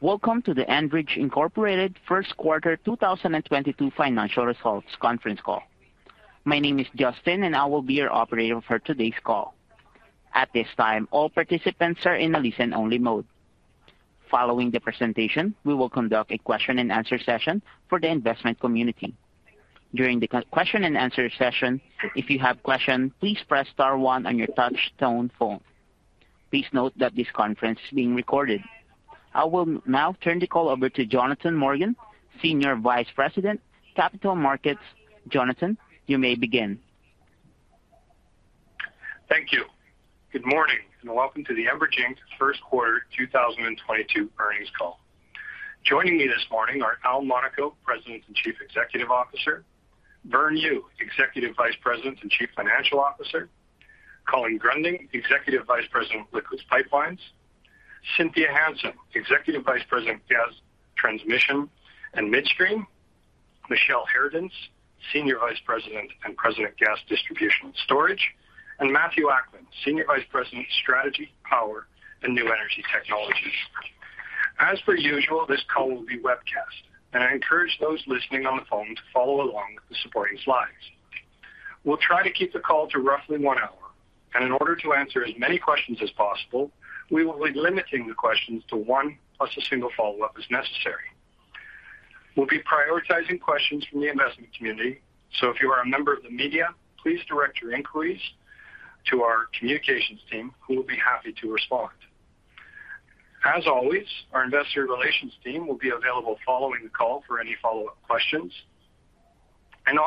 Welcome to the Enbridge Inc. First Quarter 2022 Financial Results Conference Call. My name is Justin, and I will be your operator for today's call. At this time, all participants are in a listen-only mode. Following the presentation, we will conduct a question-and-answer session for the investment community. During the question-and-answer session, if you have a question, please press star one on your touchtone phone. Please note that this conference is being recorded. I will now turn the call over to Jonathan Morgan, Senior Vice President, Capital Markets. Jonathan, you may begin. Thank you. Good morning, and welcome to the Enbridge Inc. First Quarter 2022 Earnings Call. Joining me this morning are Al Monaco, President and Chief Executive Officer, Vern Yu, Executive Vice President and Chief Financial Officer, Colin Gruending, Executive Vice President, Liquids Pipelines, Cynthia Hansen, Executive Vice President, Gas Transmission and Midstream, Michele Harradence, Senior Vice President and President, Gas Distribution and Storage, and Matthew Akman, Senior Vice President, Strategy, Power, and New Energy Technologies. As per usual, this call will be webcast, and I encourage those listening on the phone to follow along with the supporting slides. We'll try to keep the call to roughly 1 hour, and in order to answer as many questions as possible, we will be limiting the questions to one, plus a single follow-up as necessary. We'll be prioritizing questions from the investment community. If you are a member of the media, please direct your inquiries to our communications team, who will be happy to respond. As always, our investor relations team will be available following the call for any follow-up questions.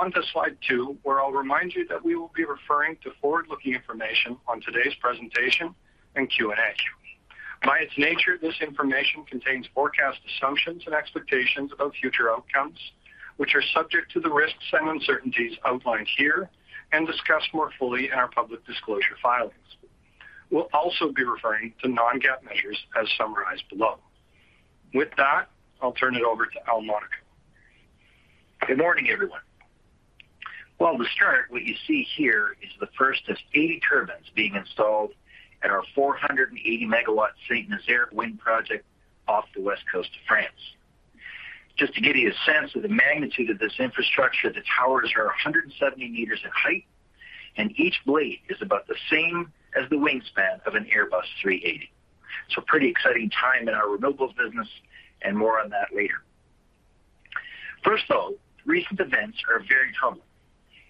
On to slide two, where I'll remind you that we will be referring to forward-looking information on today's presentation and Q&A. By its nature, this information contains forecast assumptions and expectations of future outcomes, which are subject to the risks and uncertainties outlined here and discussed more fully in our public disclosure filings. We'll also be referring to non-GAAP measures as summarized below. With that, I'll turn it over to Al Monaco. Good morning, everyone. Well, to start, what you see here is the first of 80 turbines being installed at our 480-megawatt Saint-Nazaire wind project off the west coast of France. Just to give you a sense of the magnitude of this infrastructure, the towers are 170 meters in height, and each blade is about the same as the wingspan of an Airbus A380. Pretty exciting time in our renewables business, and more on that later. First, though, recent events are very troubling,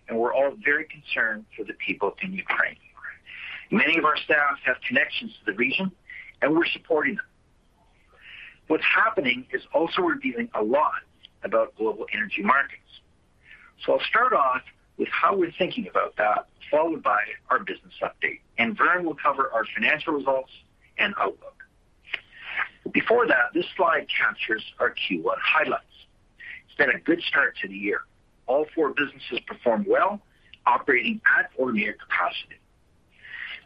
and we're all very concerned for the people in Ukraine. Many of our staff have connections to the region, and we're supporting them. What's happening is also revealing a lot about global energy markets. I'll start off with how we're thinking about that, followed by our business update. Vern Yu will cover our financial results and outlook. Before that, this slide captures our Q1 highlights. It's been a good start to the year. All four businesses performed well, operating at or near capacity.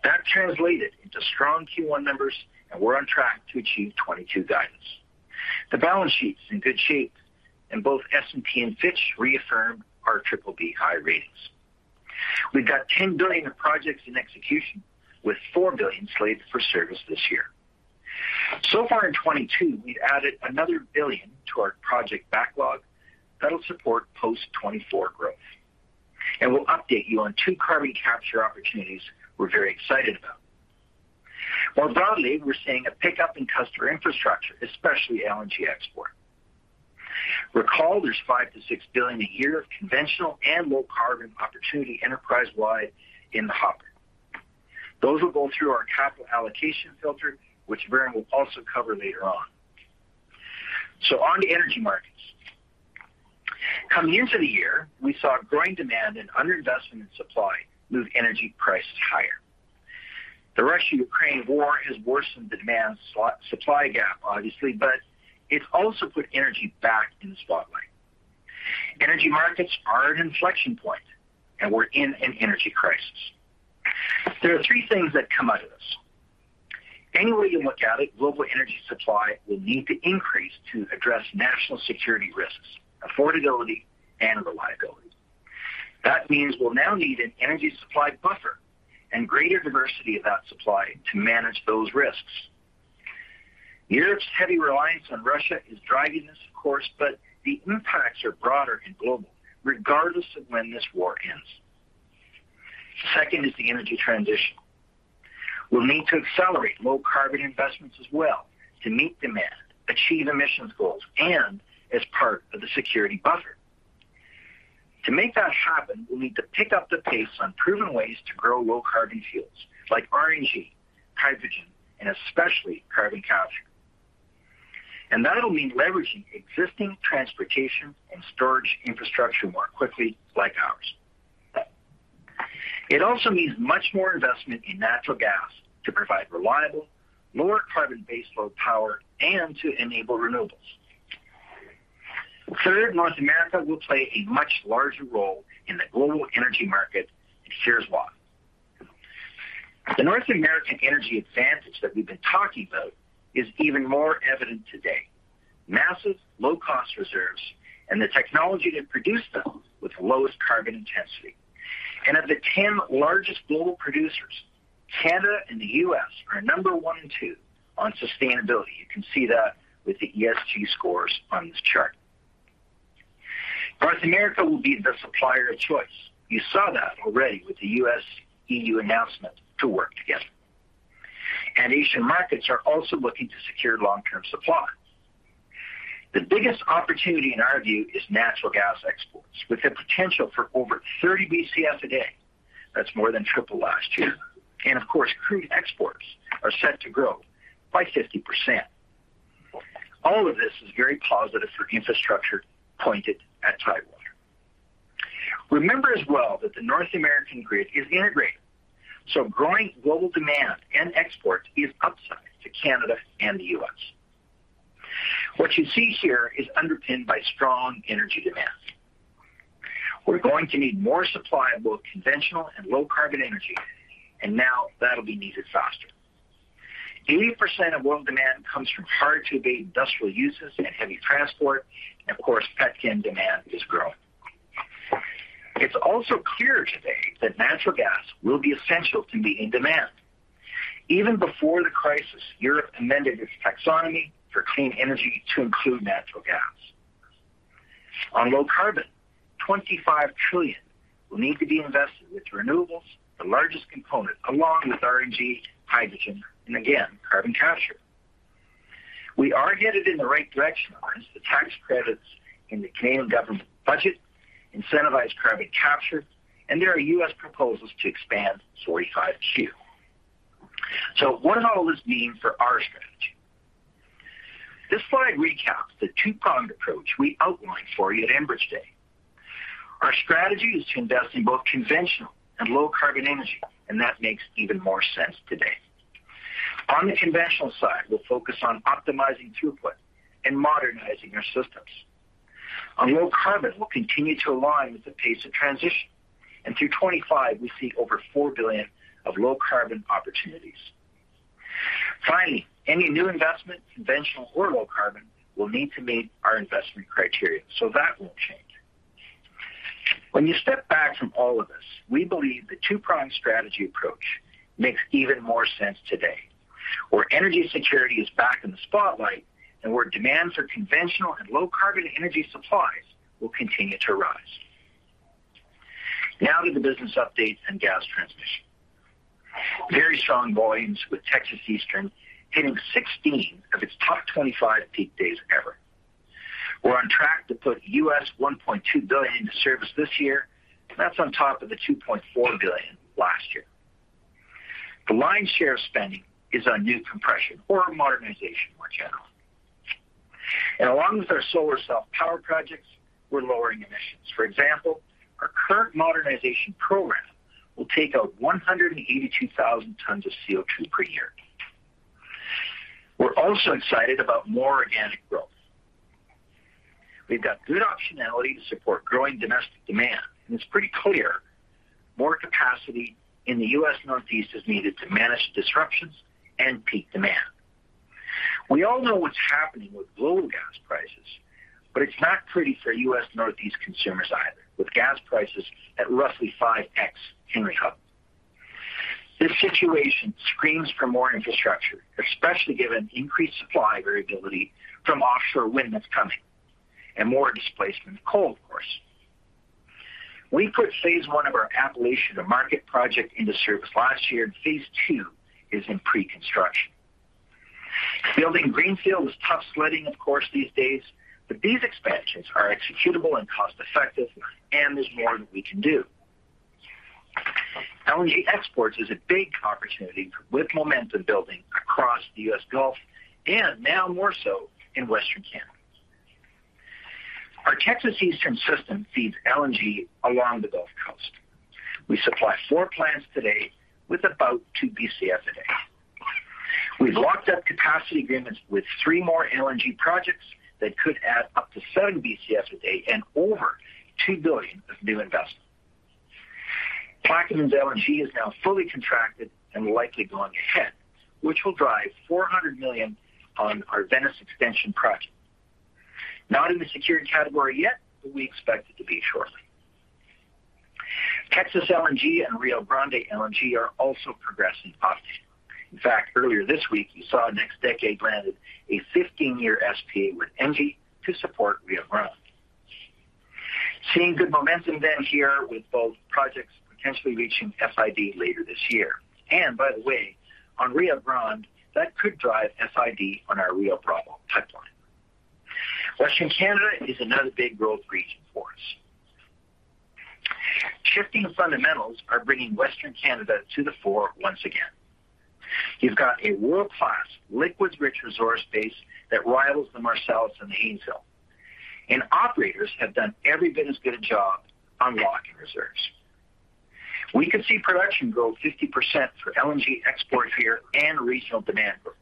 That translated into strong Q1 numbers, and we're on track to achieve 2022 guidance. The balance sheet is in good shape, and both S&P and Fitch reaffirmed our BBB+ ratings. We've got 10 billion of projects in execution, with 4 billion slated for service this year. So far in 2022, we've added another 1 billion to our project backlog that'll support post-2024 growth. We'll update you on two carbon capture opportunities we're very excited about. More broadly, we're seeing a pickup in customer infrastructure, especially LNG export. Recall there's 5 billion-6 billion a year of conventional and low-carbon opportunity enterprise-wide in the hopper. Those will go through our capital allocation filter, which Vern will also cover later on. On to energy markets. Coming into the year, we saw growing demand and underinvestment in supply move energy prices higher. The Russia-Ukraine war has worsened the demand supply gap, obviously, but it's also put energy back in the spotlight. Energy markets are at an inflection point, and we're in an energy crisis. There are three things that come out of this. Any way you look at it, global energy supply will need to increase to address national security risks, affordability, and reliability. That means we'll now need an energy supply buffer and greater diversity of that supply to manage those risks. Europe's heavy reliance on Russia is driving this, of course, but the impacts are broader and global, regardless of when this war ends. Second is the energy transition. We'll need to accelerate low-carbon investments as well to meet demand, achieve emissions goals, and as part of the security buffer. To make that happen, we'll need to pick up the pace on proven ways to grow low-carbon fuels like RNG, hydrogen, and especially carbon capture. That'll mean leveraging existing transportation and storage infrastructure more quickly, like ours. It also means much more investment in natural gas to provide reliable, lower-carbon baseload power and to enable renewables. Third, North America will play a much larger role in the global energy market. Here's why. The North American energy advantage that we've been talking about is even more evident today. Massive low-cost reserves and the technology to produce them with the lowest carbon intensity. Of the 10 largest global producers, Canada and the U.S. are number one and two on sustainability. You can see that with the ESG scores on this chart. North America will be the supplier of choice. You saw that already with the U.S.-EU announcement to work together. Asian markets are also looking to secure long-term supply. The biggest opportunity in our view is natural gas exports with the potential for over 30 BCF a day. That's more than triple last year. Of course, crude exports are set to grow by 50%. All of this is very positive for infrastructure pointed at Tidewater. Remember as well that the North American grid is integrated, so growing global demand and export is upside to Canada and the U.S. What you see here is underpinned by strong energy demand. We're going to need more supply of both conventional and low-carbon energy, and now that'll be needed faster. 80% of world demand comes from hard-to-abate industrial uses and heavy transport, and of course, petchem demand is growing. It's also clear today that natural gas will be essential to meeting demand. Even before the crisis, Europe amended its taxonomy for clean energy to include natural gas. On low-carbon, 25 trillion will need to be invested with renewables, the largest component, along with RNG, hydrogen, and again, carbon capture. We are headed in the right direction as the tax credits in the Canadian government budget incentivize carbon capture, and there are U.S. proposals to expand 45Q. What does all this mean for our strategy? This slide recaps the two-pronged approach we outlined for you at Enbridge Day. Our strategy is to invest in both conventional and low-carbon energy, and that makes even more sense today. On the conventional side, we'll focus on optimizing throughput and modernizing our systems. On low-carbon, we'll continue to align with the pace of transition. Through 2025, we see over 4 billion of low-carbon opportunities. Finally, any new investment, conventional or low-carbon, will need to meet our investment criteria, so that won't change. When you step back from all of this, we believe the two-pronged strategy approach makes even more sense today, where energy security is back in the spotlight and where demands for conventional and low-carbon energy supplies will continue to rise. Now to the business update and gas transmission. Very strong volumes with Texas Eastern hitting 16 of its top 25 peak days ever. We're on track to put $1.2 billion into service this year, and that's on top of the $2.4 billion last year. The lion's share of spending is on new compression or modernization more generally. Along with our solar self-power projects, we're lowering emissions. For example, our current modernization program will take out 182,000 tons of CO2 per year. We're also excited about more organic growth. We've got good optionality to support growing domestic demand, and it's pretty clear more capacity in the U.S. Northeast is needed to manage disruptions and peak demand. We all know what's happening with global gas prices, but it's not pretty for U.S. Northeast consumers either with gas prices at roughly 5x Henry Hub. This situation screams for more infrastructure, especially given increased supply variability from offshore wind that's coming and more displacement of coal, of course. We put Phase I of our Appalachian to Market project into service last year, and Phase II is in pre-construction. Building greenfield is tough sledding, of course, these days, but these expansions are executable and cost-effective, and there's more that we can do. LNG exports is a big opportunity with momentum building across the U.S. Gulf and now more so in Western Canada. Our Texas Eastern system feeds LNG along the Gulf Coast. We supply 4 plants today with about 2 BCF a day. We've locked up capacity agreements with three more LNG projects that could add up to 7 BCF a day and over $2 billion of new investment. Plaquemines LNG is now fully contracted and likely going ahead, which will drive $400 million on our Venice Extension Project. Not in the secured category yet, but we expect it to be shortly. Texas LNG and Rio Grande LNG are also progressing positively. In fact, earlier this week, you saw NextDecade granted a 15-year SPA with ENGIE to support Rio Grande. Seeing good momentum then here with both projects potentially reaching FID later this year. By the way, on Rio Grande, that could drive FID on our Rio Bravo pipeline. Western Canada is another big growth region for us. Shifting fundamentals are bringing Western Canada to the fore once again. You've got a world-class liquids-rich resource base that rivals the Marcellus and the Haynesville. Operators have done every bit as good a job unlocking reserves. We could see production grow 50% for LNG export here and regional demand growth.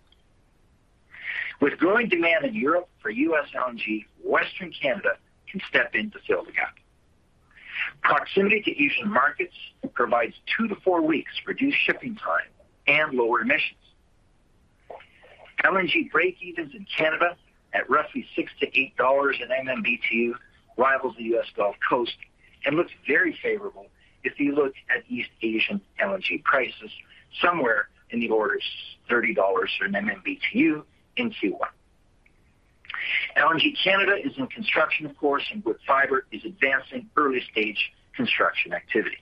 With growing demand in Europe for U.S. LNG, Western Canada can step in to fill the gap. Proximity to Asian markets provides two to four weeks reduced shipping time and lower emissions. LNG breakevens in Canada at roughly $6-$8/MMBtu rivals the U.S. Gulf Coast and looks very favorable if you look at East Asian LNG prices somewhere in the order of $30/MMBtu in Q1. LNG Canada is in construction, of course, and Woodfibre is advancing early-stage construction activity.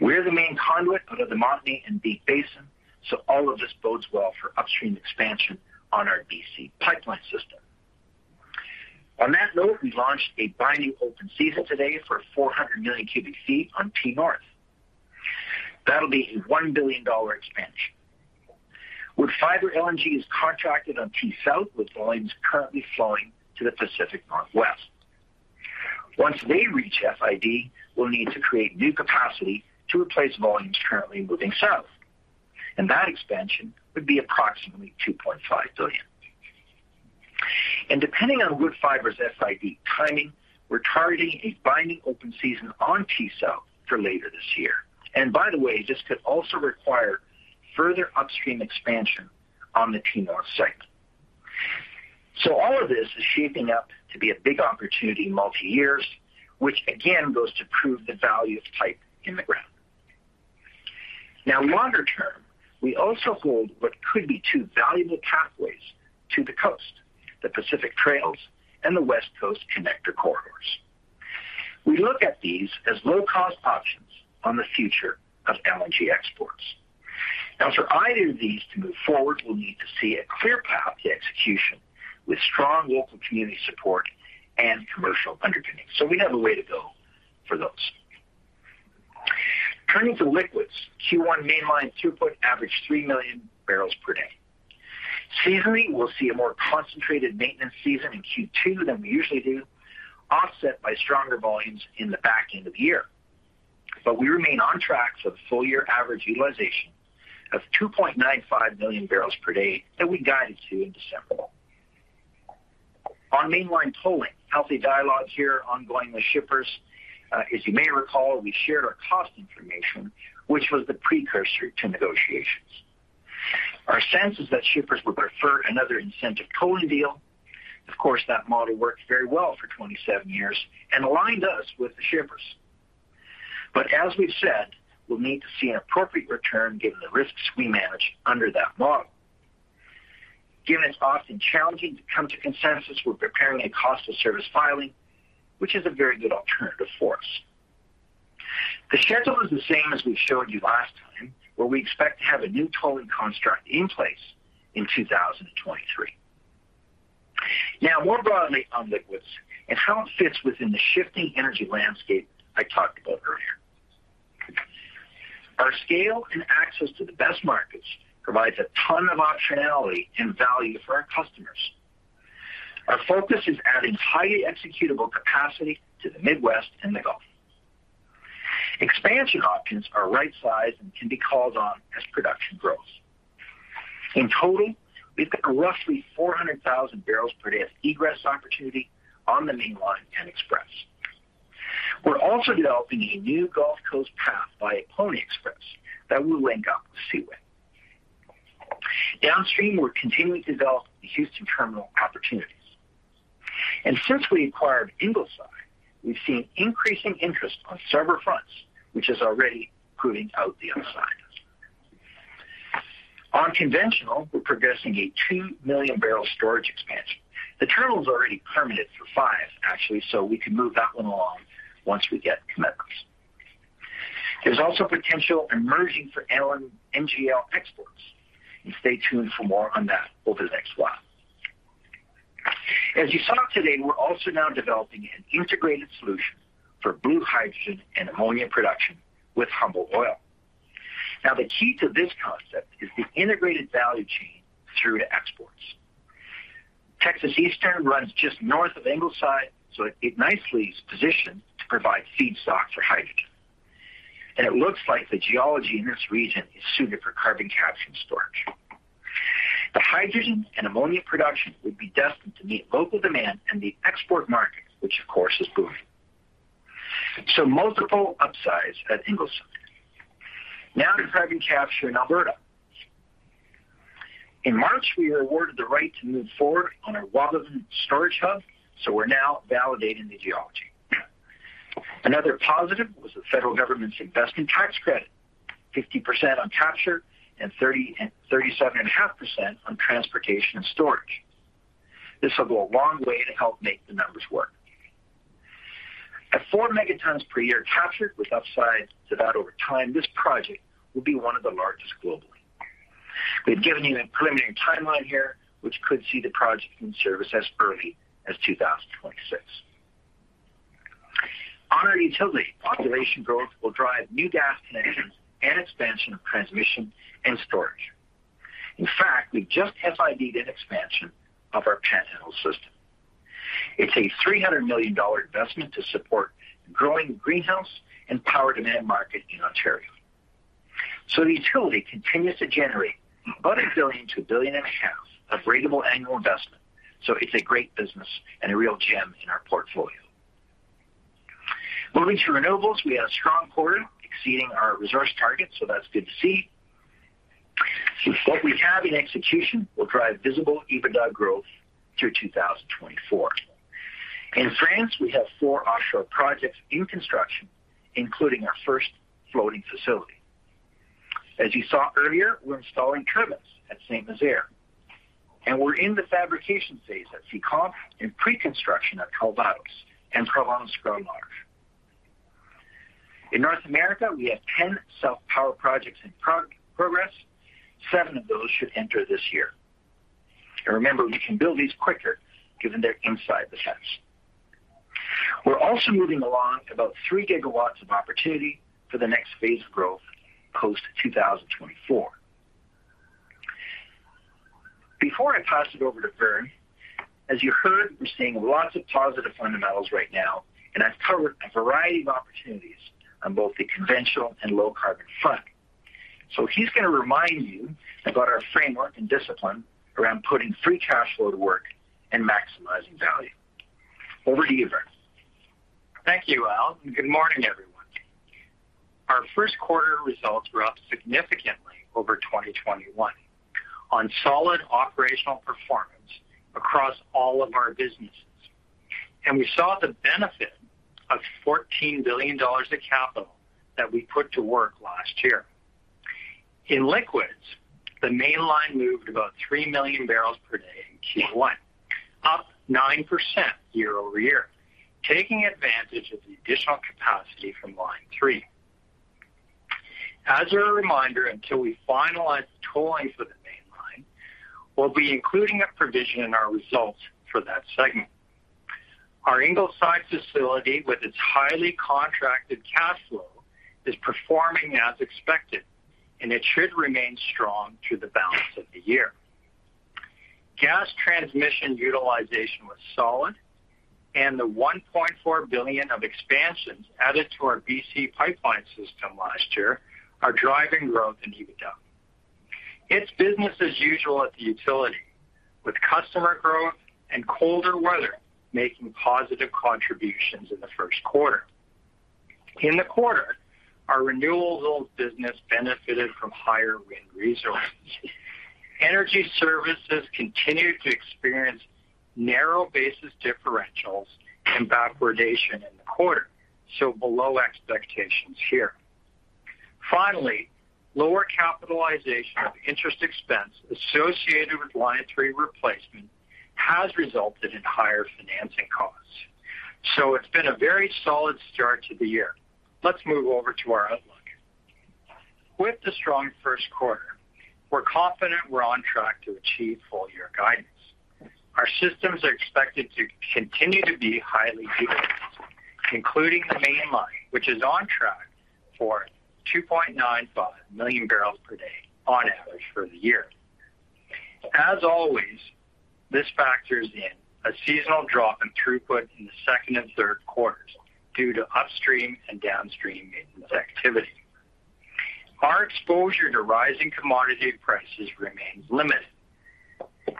We're the main conduit out of the Montney and Deep Basin, so all of this bodes well for upstream expansion on our BC pipeline system. On that note, we launched a binding open season today for 400 million cubic feet on T-North. That'll be a $1 billion expansion. Woodfibre LNG is contracted on T-South, with volumes currently flowing to the Pacific Northwest. Once they reach FID, we'll need to create new capacity to replace volumes currently moving south. That expansion would be approximately 2.5 billion. Depending on Woodfibre's FID timing, we're targeting a binding open season on T-South for later this year. By the way, this could also require further upstream expansion on the T-North side. All of this is shaping up to be a big opportunity multiyear, which again goes to prove the value of pipe in the ground. Now, longer term, we also hold what could be two valuable pathways to the coast, the Pacific Trails and the West Coast Connector corridors. We look at these as low-cost options on the future of LNG exports. Now, for either of these to move forward, we'll need to see a clear path to execution with strong local community support and commercial underpinning. We have a way to go for those. Turning to liquids, Q1 Mainline throughput averaged 3 million barrels per day. Seasonally, we'll see a more concentrated maintenance season in Q2 than we usually do, offset by stronger volumes in the back end of the year. We remain on track for the full-year average utilization of 2.95 million barrels per day that we guided to in December. On Mainline tolling, healthy dialogue here ongoing with shippers. As you may recall, we shared our cost information, which was the precursor to negotiations. Our sense is that shippers would prefer another incentive tolling deal. Of course, that model worked very well for 27 years and aligned us with the shippers. As we've said, we'll need to see an appropriate return given the risks we manage under that model. Given it's often challenging to come to consensus, we're preparing a cost of service filing, which is a very good alternative for us. The schedule is the same as we showed you last time, where we expect to have a new tolling construct in place in 2023. Now, more broadly on Liquids and how it fits within the shifting energy landscape I talked about earlier. Our scale and access to the best markets provides a ton of optionality and value for our customers. Our focus is adding highly executable capacity to the Midwest and the Gulf. Expansion options are right-sized and can be called on as production grows. In total, we've got roughly 400,000 barrels per day of egress opportunity on the Mainline and Express. We're also developing a new Gulf Coast path via Pony Express that will link up with Seaway. Downstream, we're continuing to develop the Houston terminal opportunities. Since we acquired Ingleside, we've seen increasing interest on several fronts, which is already proving out the upside. On conventional, we're progressing a 2-million-barrel storage expansion. The terminal is already permitted for five, actually, so we can move that one along once we get commitments. There's also potential emerging for LNG exports, and stay tuned for more on that over the next while. As you saw today, we're also now developing an integrated solution for blue hydrogen and ammonia production with H Cycle. Now, the key to this concept is the integrated value chain through to exports. Texas Eastern runs just north of Ingleside, so it nicely is positioned to provide feedstock for hydrogen. It looks like the geology in this region is suited for carbon capture and storage. The hydrogen and ammonia production would be destined to meet local demand and the export market, which of course is booming. Multiple upsides at Ingleside. Now to carbon capture in Alberta. In March, we were awarded the right to move forward on our Wabamun storage hub, so we're now validating the geology. Another positive was the federal government's investment tax credit, 50% on capture and 37.5% on transportation and storage. This will go a long way to help make the numbers work. At 4 megatons per year captured with upsides to that over time, this project will be one of the largest globally. We've given you a preliminary timeline here, which could see the project in service as early as 2026. On our utility, population growth will drive new gas connections and expansion of transmission and storage. In fact, we just FID an expansion of our TransAlta system. It's a 300 million dollar investment to support growing greenhouse and power demand market in Ontario. The utility continues to generate about 1 billion-1.5 billion of ratable annual investment. It's a great business and a real gem in our portfolio. Moving to renewables, we had a strong quarter exceeding our resource targets, so that's good to see. What we have in execution will drive visible EBITDA growth through 2024. In France, we have four offshore projects in construction, including our first floating facility. As you saw earlier, we're installing turbines at Saint-Nazaire, and we're in the fabrication phase at Fécamp and pre-construction at Calvados and Provence Grand Large. In North America, we have 10 solar power projects in progress. Seven of those should enter this year. Remember, we can build these quicker given they're inside the fence. We're also moving along about 3 gigawatts of opportunity for the next phase of growth post 2024. Before I pass it over to Vern, as you heard, we're seeing lots of positive fundamentals right now, and I've covered a variety of opportunities on both the conventional and low carbon front. He's gonna remind you about our framework and discipline around putting free cash flow to work and maximizing value. Over to you, Vern. Thank you, Al, and good morning, everyone. Our first quarter results were up significantly over 2021 on solid operational performance across all of our businesses. We saw the benefit of 14 billion dollars of capital that we put to work last year. In liquids, the Mainline moved about 3 million barrels per day in Q1, up 9% year-over-year, taking advantage of the additional capacity from Line 3. As a reminder, until we finalize the tolling for the Mainline, we'll be including a provision in our results for that segment. Our Ingleside facility, with its highly contracted cash flow, is performing as expected, and it should remain strong through the balance of the year. Gas transmission utilization was solid, and the 1.4 billion of expansions added to our BC Pipeline system last year are driving growth in EBITDA. It's business as usual at the utility, with customer growth and colder weather making positive contributions in the first quarter. In the quarter, our renewables business benefited from higher wind resources. Energy services continued to experience narrow basis differentials and backwardation in the quarter, so below expectations here. Finally, lower capitalization of interest expense associated with Line 3 replacement has resulted in higher financing costs. It's been a very solid start to the year. Let's move over to our outlook. With the strong first quarter, we're confident we're on track to achieve full-year guidance. Our systems are expected to continue to be highly utilized, including the Mainline, which is on track for 2.95 million barrels per day on average for the year. As always, this factors in a seasonal drop in throughput in the second and third quarters due to upstream and downstream maintenance activity. Our exposure to rising commodity prices remains limited,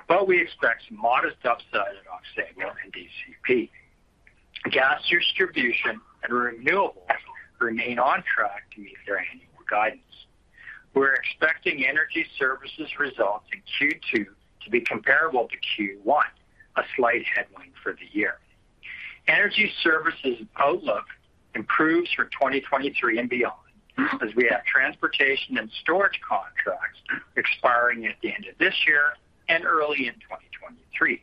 but we expect some modest upside at Oxbow and DCP. Gas distribution and renewables remain on track to meet their annual guidance. We're expecting energy services results in Q2 to be comparable to Q1, a slight headwind for the year. Energy services outlook improves for 2023 and beyond as we have transportation and storage contracts expiring at the end of this year and early in 2023.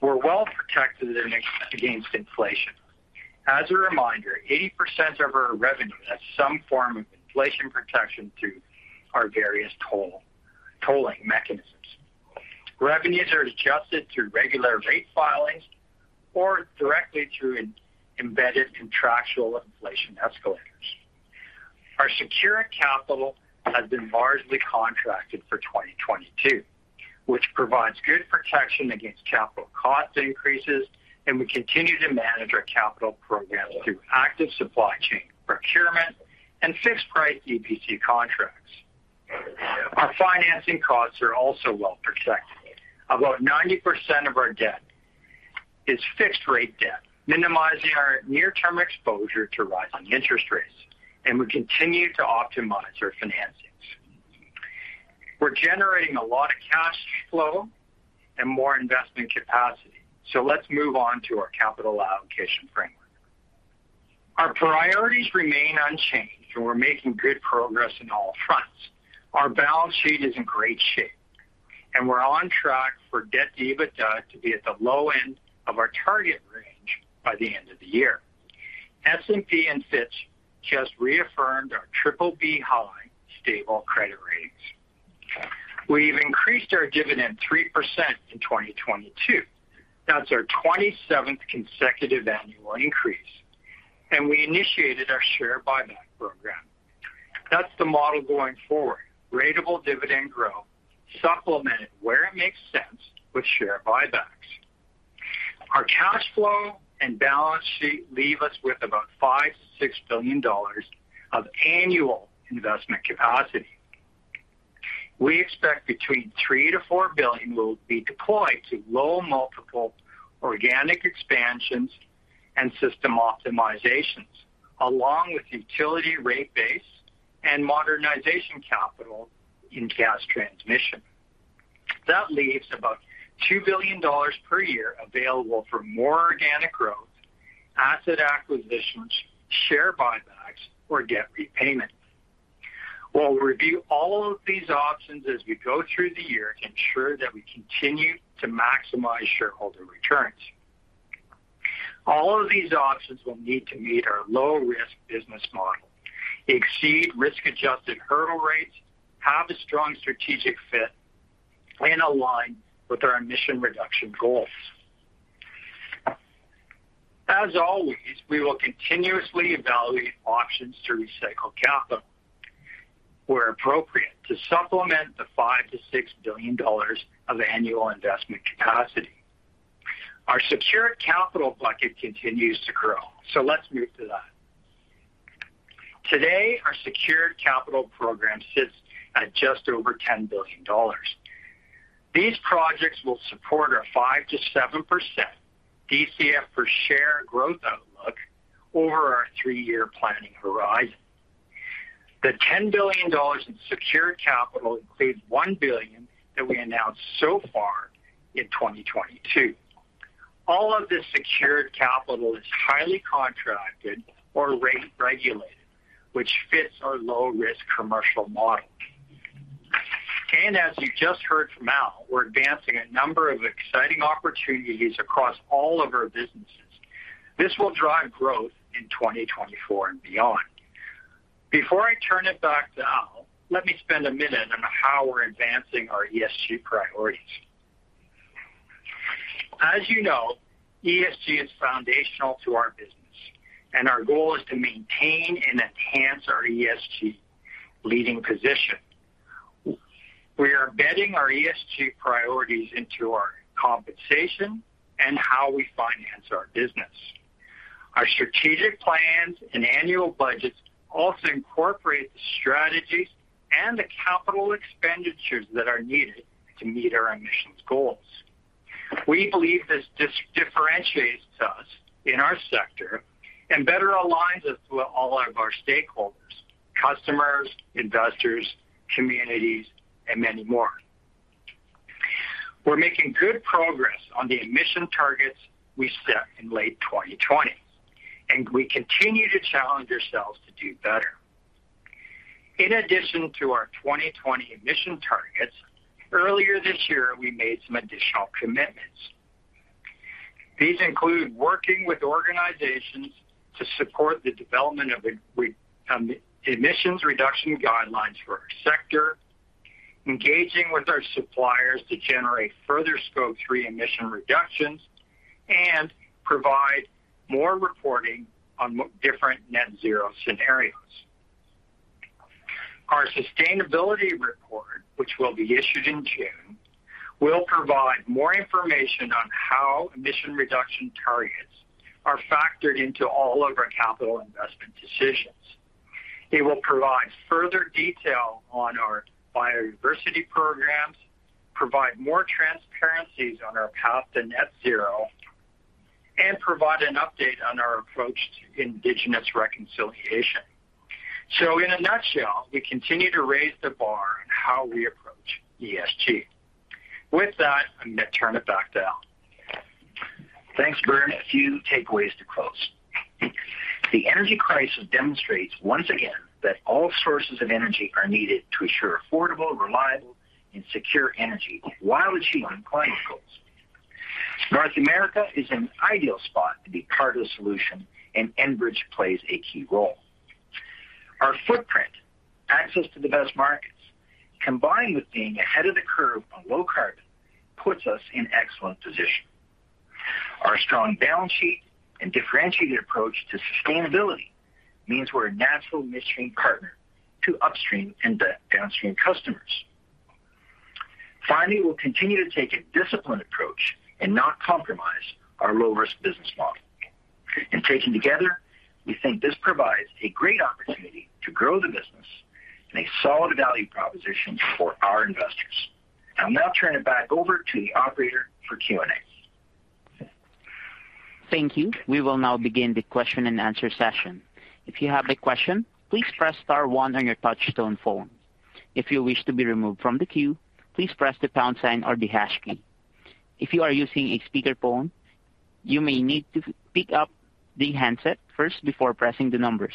We're well protected against inflation. As a reminder, 80% of our revenue has some form of inflation protection through our various tolling mechanisms. Revenues are adjusted through regular rate filings or directly through embedded contractual inflation escalators. Our capital has been largely secured for 2022, which provides good protection against capital cost increases, and we continue to manage our capital program through active supply chain procurement and fixed price EPC contracts. Our financing costs are also well protected. About 90% of our debt is fixed rate debt, minimizing our near-term exposure to rising interest rates, and we continue to optimize our financings. We're generating a lot of cash flow and more investment capacity. Let's move on to our capital allocation framework. Our priorities remain unchanged, and we're making good progress in all fronts. Our balance sheet is in great shape, and we're on track for debt to EBITDA to be at the low end of our target range by the end of the year. S&P and Fitch just reaffirmed our BBB high stable credit ratings. We've increased our dividend 3% in 2022. That's our 27th consecutive annual increase. We initiated our share buyback program. That's the model going forward. Ratable dividend growth supplemented where it makes sense with share buybacks. Our cash flow and balance sheet leave us with about 5 billion-6 billion dollars of annual investment capacity. We expect between 3 million to 4 billion will be deployed to low multiple organic expansions and system optimizations, along with utility rate base and modernization capital in gas transmission. That leaves about 2 billion dollars per year available for more organic growth, asset acquisitions, share buybacks or debt repayments. We'll review all of these options as we go through the year to ensure that we continue to maximize shareholder returns. All of these options will need to meet our low-risk business model, exceed risk-adjusted hurdle rates, have a strong strategic fit, and align with our emission reduction goals. As always, we will continuously evaluate options to recycle capital where appropriate to supplement the 5 billion-6 billion dollars of annual investment capacity. Our secured capital bucket continues to grow, so let's move to that. Today, our secured capital program sits at just over 10 billion dollars. These projects will support our 5%-7% DCF per share growth outlook over our three-year planning horizon. The 10 billion dollars in secured capital includes 1 billion that we announced so far in 2022. All of this secured capital is highly contracted or rate regulated, which fits our low-risk commercial model. As you just heard from Al, we're advancing a number of exciting opportunities across all of our businesses. This will drive growth in 2024 and beyond. Before I turn it back to Al, let me spend a minute on how we're advancing our ESG priorities. As you know, ESG is foundational to our business, and our goal is to maintain and enhance our ESG leading position. We are embedding our ESG priorities into our compensation and how we finance our business. Our strategic plans and annual budgets also incorporate the strategies and the capital expenditures that are needed to meet our emissions goals. We believe this dis-differentiates us in our sector and better aligns us with all of our stakeholders, customers, investors, communities, and many more. We're making good progress on the emission targets we set in late 2020, and we continue to challenge ourselves to do better. In addition to our 2020 emission targets, earlier this year, we made some additional commitments. These include working with organizations to support the development of the emissions reduction guidelines for our sector, engaging with our suppliers to generate further scope three emission reductions, and provide more reporting on different net zero scenarios. Our sustainability report, which will be issued in June, will provide more information on how emission reduction targets are factored into all of our capital investment decisions. It will provide further detail on our biodiversity programs, provide more transparency on our path to net zero, and provide an update on our approach to indigenous reconciliation. In a nutshell, we continue to raise the bar on how we approach ESG. With that, I'm going to turn it back to Al. Thanks, Vern. A few takeaways to close. The energy crisis demonstrates once again that all sources of energy are needed to ensure affordable, reliable, and secure energy while achieving climate goals. North America is an ideal spot to be part of the solution, and Enbridge plays a key role. Our footprint, access to the best markets, combined with being ahead of the curve on low carbon, puts us in excellent position. Our strong balance sheet and differentiated approach to sustainability means we're a natural midstream partner to upstream and downstream customers. Finally, we'll continue to take a disciplined approach and not compromise our low-risk business model. Taken together, we think this provides a great opportunity to grow the business and a solid value proposition for our investors. I'll now turn it back over to the operator for Q&A. Thank you. We will now begin the question-and-answer session. If you have a question, please press star one on your touchtone phone. If you wish to be removed from the queue, please press the pound sign or the hash key. If you are using a speakerphone, you may need to pick up the handset first before pressing the numbers.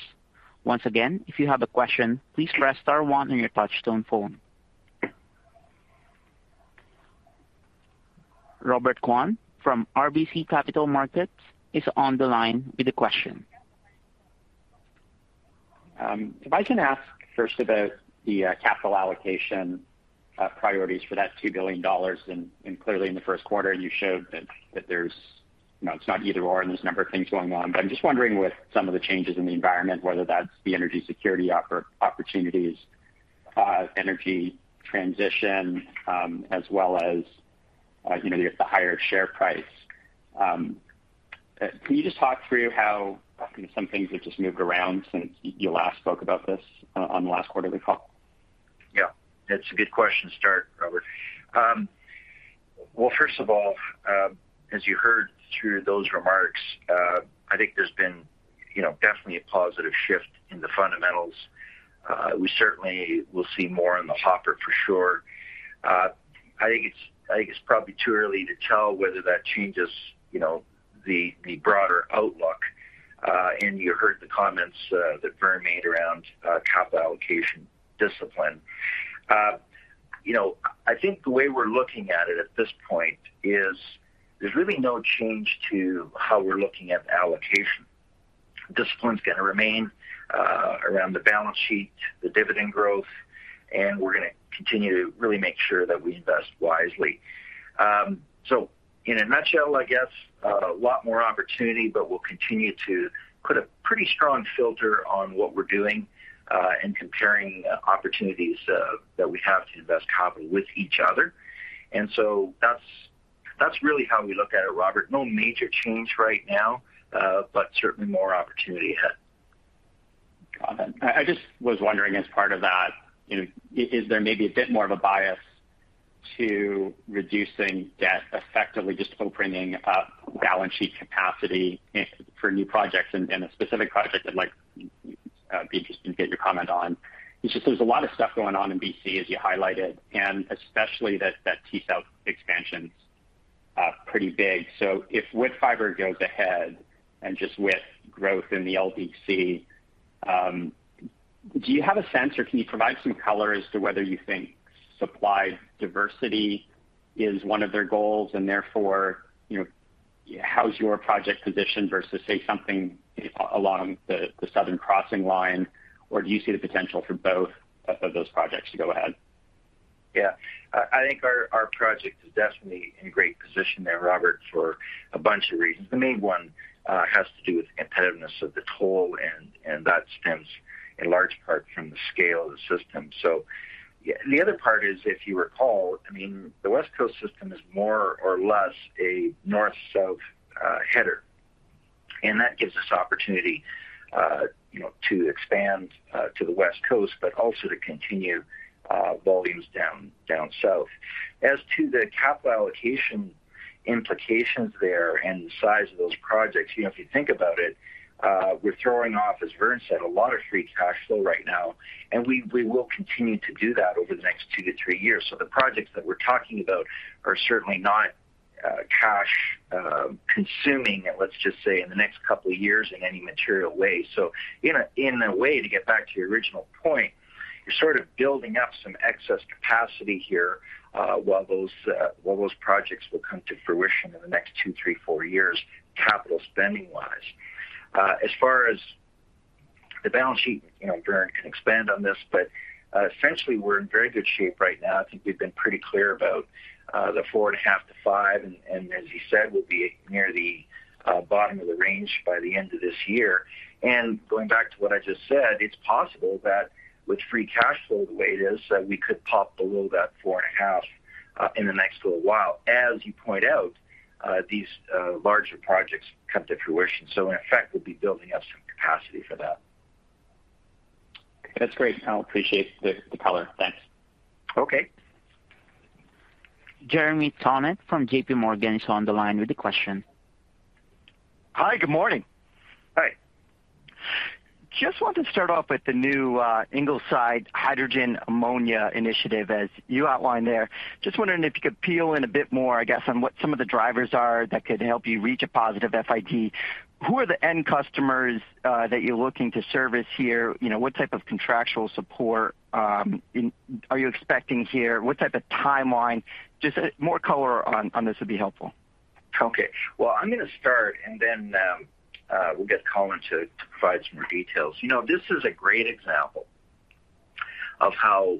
Once again, if you have a question, please press star one on your touchtone phone. Robert Kwan from RBC Capital Markets is on the line with a question. If I can ask first about the capital allocation priorities for that 2 billion dollars. Clearly in the first quarter, you showed that there's, you know, it's not either/or and there's a number of things going on. I'm just wondering with some of the changes in the environment, whether that's the energy security opportunities, energy transition, as well as, you know, just the higher share price. Can you just talk through how some things have just moved around since you last spoke about this on the last quarterly call? Yeah, that's a good question to start, Robert. Well, first of all, as you heard through those remarks, I think there's been, you know, definitely a positive shift in the fundamentals. We certainly will see more in the hopper for sure. I think it's probably too early to tell whether that changes, you know, the broader outlook. You heard the comments that Vern made around capital allocation discipline. You know, I think the way we're looking at it at this point is there's really no change to how we're looking at allocation. Discipline is gonna remain around the balance sheet, the dividend growth, and we're gonna continue to really make sure that we invest wisely. In a nutshell, I guess, a lot more opportunity, but we'll continue to put a pretty strong filter on what we're doing, and comparing opportunities that we have to invest capital with each other. That's really how we look at it, Robert. No major change right now, but certainly more opportunity ahead. Got it. I just was wondering as part of that, you know, is there maybe a bit more of a bias to reducing debt effectively, just opening up balance sheet capacity for new projects and a specific project I'd like be interested to get your comment on. It's just there's a lot of stuff going on in BC, as you highlighted, and especially that T-South expansion's pretty big. So if Woodfibre goes ahead and just with growth in the LDC, do you have a sense, or can you provide some color as to whether you think supply diversity is one of their goals and therefore, you know, how's your project positioned versus, say, something along the Southern Crossing line? Or do you see the potential for both of those projects to go ahead? Yeah. I think our project is definitely in great position there, Robert, for a bunch of reasons. The main one has to do with competitiveness of the toll, and that stems in large part from the scale of the system. The other part is, if you recall, I mean, the West Coast system is more or less a north-south header, and that gives us opportunity, you know, to expand to the West Coast, but also to continue volumes down south. As to the capital allocation implications there and the size of those projects, you know, if you think about it, we're throwing off, as Vern said, a lot of free cash flow right now, and we will continue to do that over the next two to three years. The projects that we're talking about are certainly not cash consuming, let's just say, in the next couple of years in any material way. In a way, to get back to your original point, you're sort of building up some excess capacity here, while those projects will come to fruition in the next two, three, four years, capital spending-wise. As far as the balance sheet, you know, Vern can expand on this, but essentially, we're in very good shape right now. I think we've been pretty clear about the four and a half to five, and as he said, we'll be near the bottom of the range by the end of this year. Going back to what I just said, it's possible that with free cash flow the way it is, that we could pop below that 4.5 in the next little while. As you point out, these larger projects come to fruition. In effect, we'll be building up some capacity for that. That's great. I appreciate the color. Thanks. Okay. Jeremy Tonet from JPMorgan is on the line with a question. Hi, good morning. Hi. Just wanted to start off with the new Ingleside hydrogen and ammonia initiative, as you outlined there. Just wondering if you could fill in a bit more, I guess, on what some of the drivers are that could help you reach a positive FID. Who are the end customers that you're looking to service here? You know, what type of contractual support are you expecting here? What type of timeline? Just more color on this would be helpful. Okay. Well, I'm gonna start and then we'll get Colin to provide some more details. You know, this is a great example of how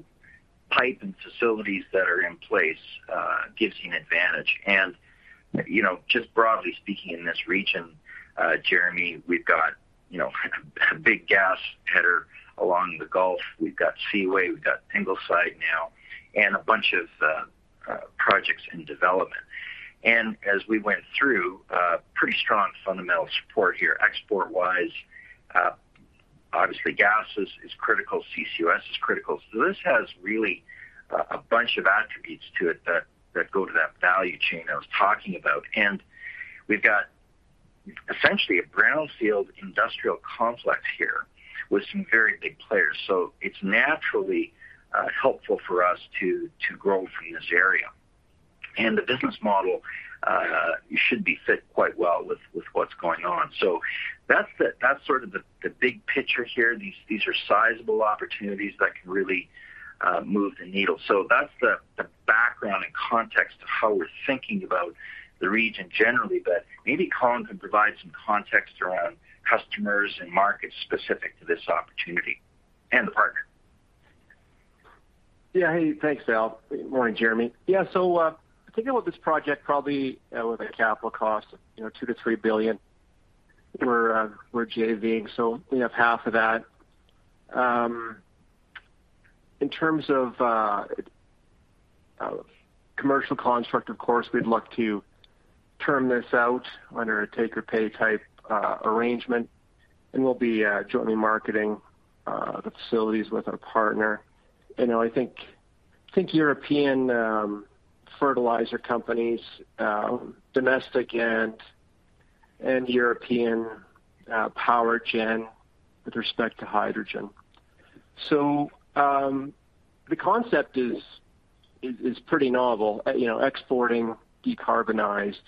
pipe and facilities that are in place gives you an advantage. You know, just broadly speaking in this region, Jeremy, we've got, you know, a big gas header along the Gulf. We've got Seaway, we've got Ingleside now, and a bunch of projects in development. As we went through, pretty strong fundamental support here. Export-wise, obviously, gas is critical. CCUS is critical. This has really a bunch of attributes to it that go to that value chain I was talking about. We've got essentially a brownfield industrial complex here with some very big players. It's naturally helpful for us to grow from this area. The business model should be fit quite well with what's going on. That's sort of the big picture here. These are sizable opportunities that can really move the needle. That's the background and context of how we're thinking about the region generally. Maybe Colin can provide some context around customers and markets specific to this opportunity and the partner. Yeah. Hey, thanks, Al. Good morning, Jeremy. Yeah, so, thinking about this project probably, with a capital cost of, you know, $2 billion-$3 billion. We're JVing, so we have half of that. In terms of commercial construct, of course, we'd look to term this out under a take-or-pay type arrangement, and we'll be jointly marketing the facilities with our partner. You know, I think European fertilizer companies, domestic and European power gen with respect to hydrogen. The concept is pretty novel, you know, exporting decarbonized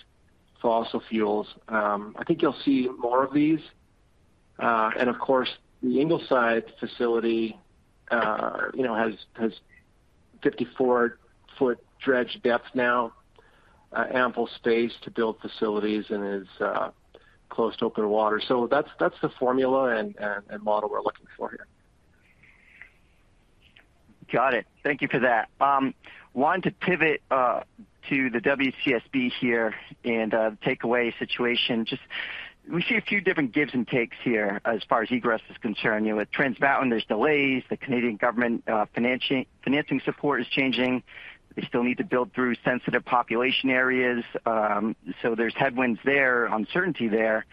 fossil fuels. I think you'll see more of these. Of course, the Ingleside facility, you know, has 54-foot dredge depth now, ample space to build facilities and is close to open water. That's the formula and model we're looking for here. Got it. Thank you for that. Wanted to pivot to the WCSB here and the takeaway situation. Just we see a few different gives and takes here as far as egress is concerned. You know, with Trans Mountain, there's delays. The Canadian government financing support is changing. They still need to build through sensitive population areas, so there's headwinds there, uncertainty there.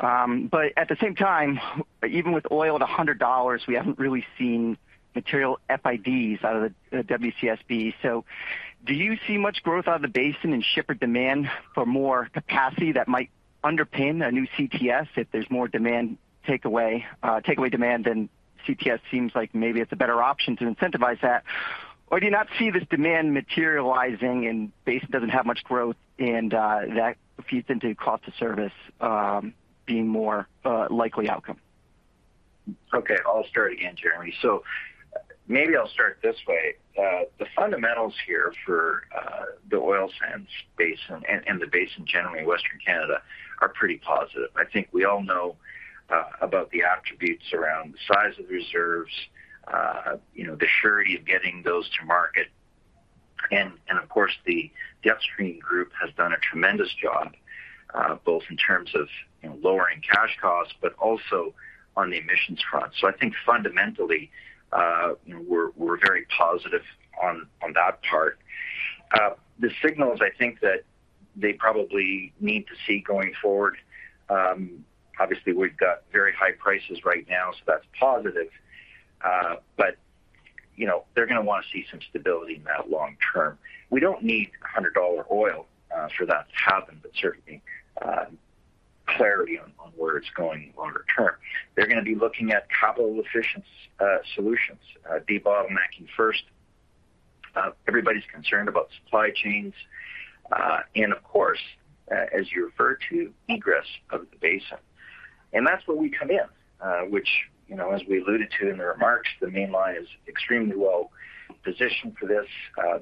But at the same time, even with oil at $100, we haven't really seen material FIDs out of the WCSB. So do you see much growth out of the basin and shipper demand for more capacity that might underpin a new CTS if there's more takeaway demand than CTS seems like maybe it's a better option to incentivize that? Do you not see this demand materializing and basin doesn't have much growth and that feeds into cost of service being more likely outcome? Okay, I'll start again, Jeremy Tonet. Maybe I'll start this way. The fundamentals here for the oil sands basin and the basin generally in Western Canada are pretty positive. I think we all know about the attributes around the size of the reserves, you know, the surety of getting those to market. Of course, the upstream group has done a tremendous job, both in terms of, you know, lowering cash costs, but also on the emissions front. I think fundamentally, you know, we're very positive on that part. The signals I think that they probably need to see going forward, obviously we've got very high prices right now, that's positive. But, you know, they're gonna wanna see some stability in that long term. We don't need 100-dollar oil for that to happen, but certainly clarity on where it's going longer term. They're gonna be looking at capital efficient solutions, debottlenecking first. Everybody's concerned about supply chains, and of course, as you refer to, egress of the basin. That's where we come in, which, you know, as we alluded to in the remarks, the Mainline is extremely well positioned for this.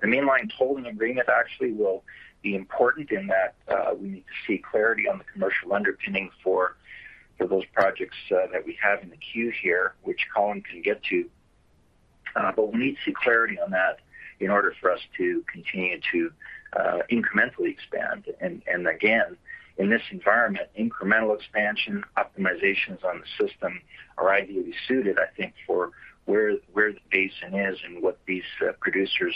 The Mainline tolling agreement actually will be important in that we need to see clarity on the commercial underpinning for those projects that we have in the queue here, which Colin can get to. We need to see clarity on that in order for us to continue to incrementally expand. Again, in this environment, incremental expansion, optimizations on the system are ideally suited, I think, for where the basin is and what these producers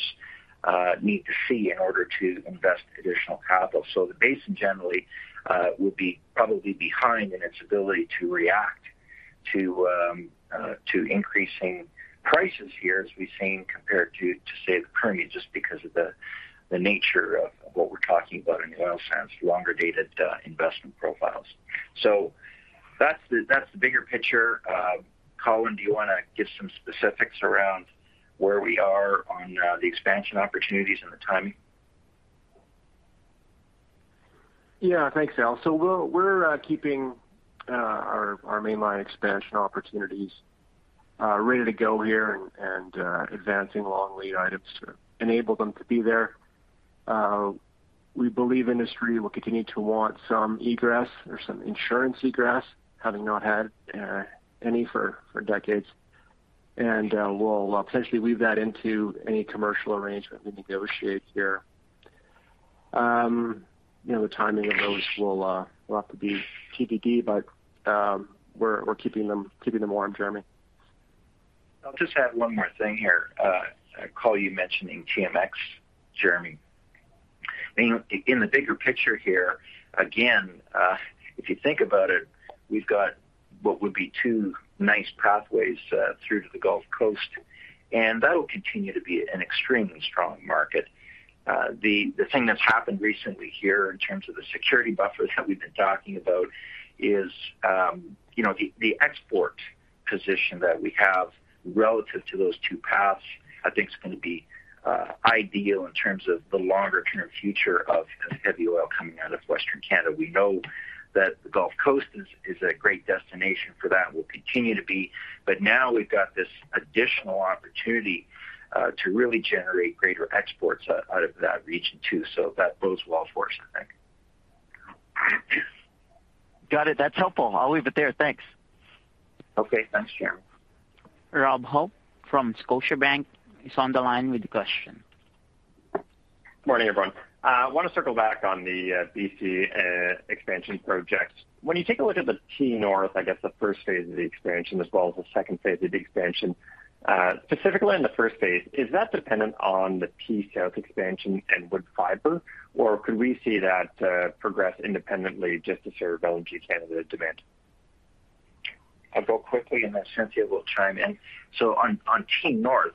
need to see in order to invest additional capital. The basin generally will be probably behind in its ability to react to increasing prices here, as we've seen compared to say the Permian, just because of the nature of what we're talking about in oil sands, longer-dated investment profiles. That's the bigger picture. Colin, do you wanna give some specifics around where we are on the expansion opportunities and the timing? Yeah. Thanks, Al. We're keeping our Mainline expansion opportunities ready to go here and advancing long lead items to enable them to be there. We believe industry will continue to want some egress or some insurance egress, having not had any for decades. We'll potentially weave that into any commercial arrangement we negotiate here. You know, the timing of those will have to be TBD, but we're keeping them warm, Jeremy. I'll just add one more thing here. Colin, you mentioning TMX, Jeremy. You know, in the bigger picture here, again, if you think about it, we've got what would be two nice pathways through to the Gulf Coast, and that'll continue to be an extremely strong market. The thing that's happened recently here in terms of the security buffers that we've been talking about is, you know, the export position that we have relative to those two paths, I think is gonna be ideal in terms of the longer term future of heavy oil coming out of Western Canada. We know that the Gulf Coast is a great destination for that, will continue to be, but now we've got this additional opportunity to really generate greater exports out of that region too. That bodes well for us, I think. Got it. That's helpful. I'll leave it there. Thanks. Okay. Thanks, Jeremy. Robert Hope from Scotiabank is on the line with a question. Good morning, everyone. Wanna circle back on the BC expansion project. When you take a look at the T-North, I guess the first phase of the expansion as well as the second phase of the expansion, specifically in the first phase, is that dependent on the T-South expansion and Woodfibre? Or could we see that progress independently just to serve LNG Canada demand? I'll go quickly, and then Cynthia will chime in. On T-North,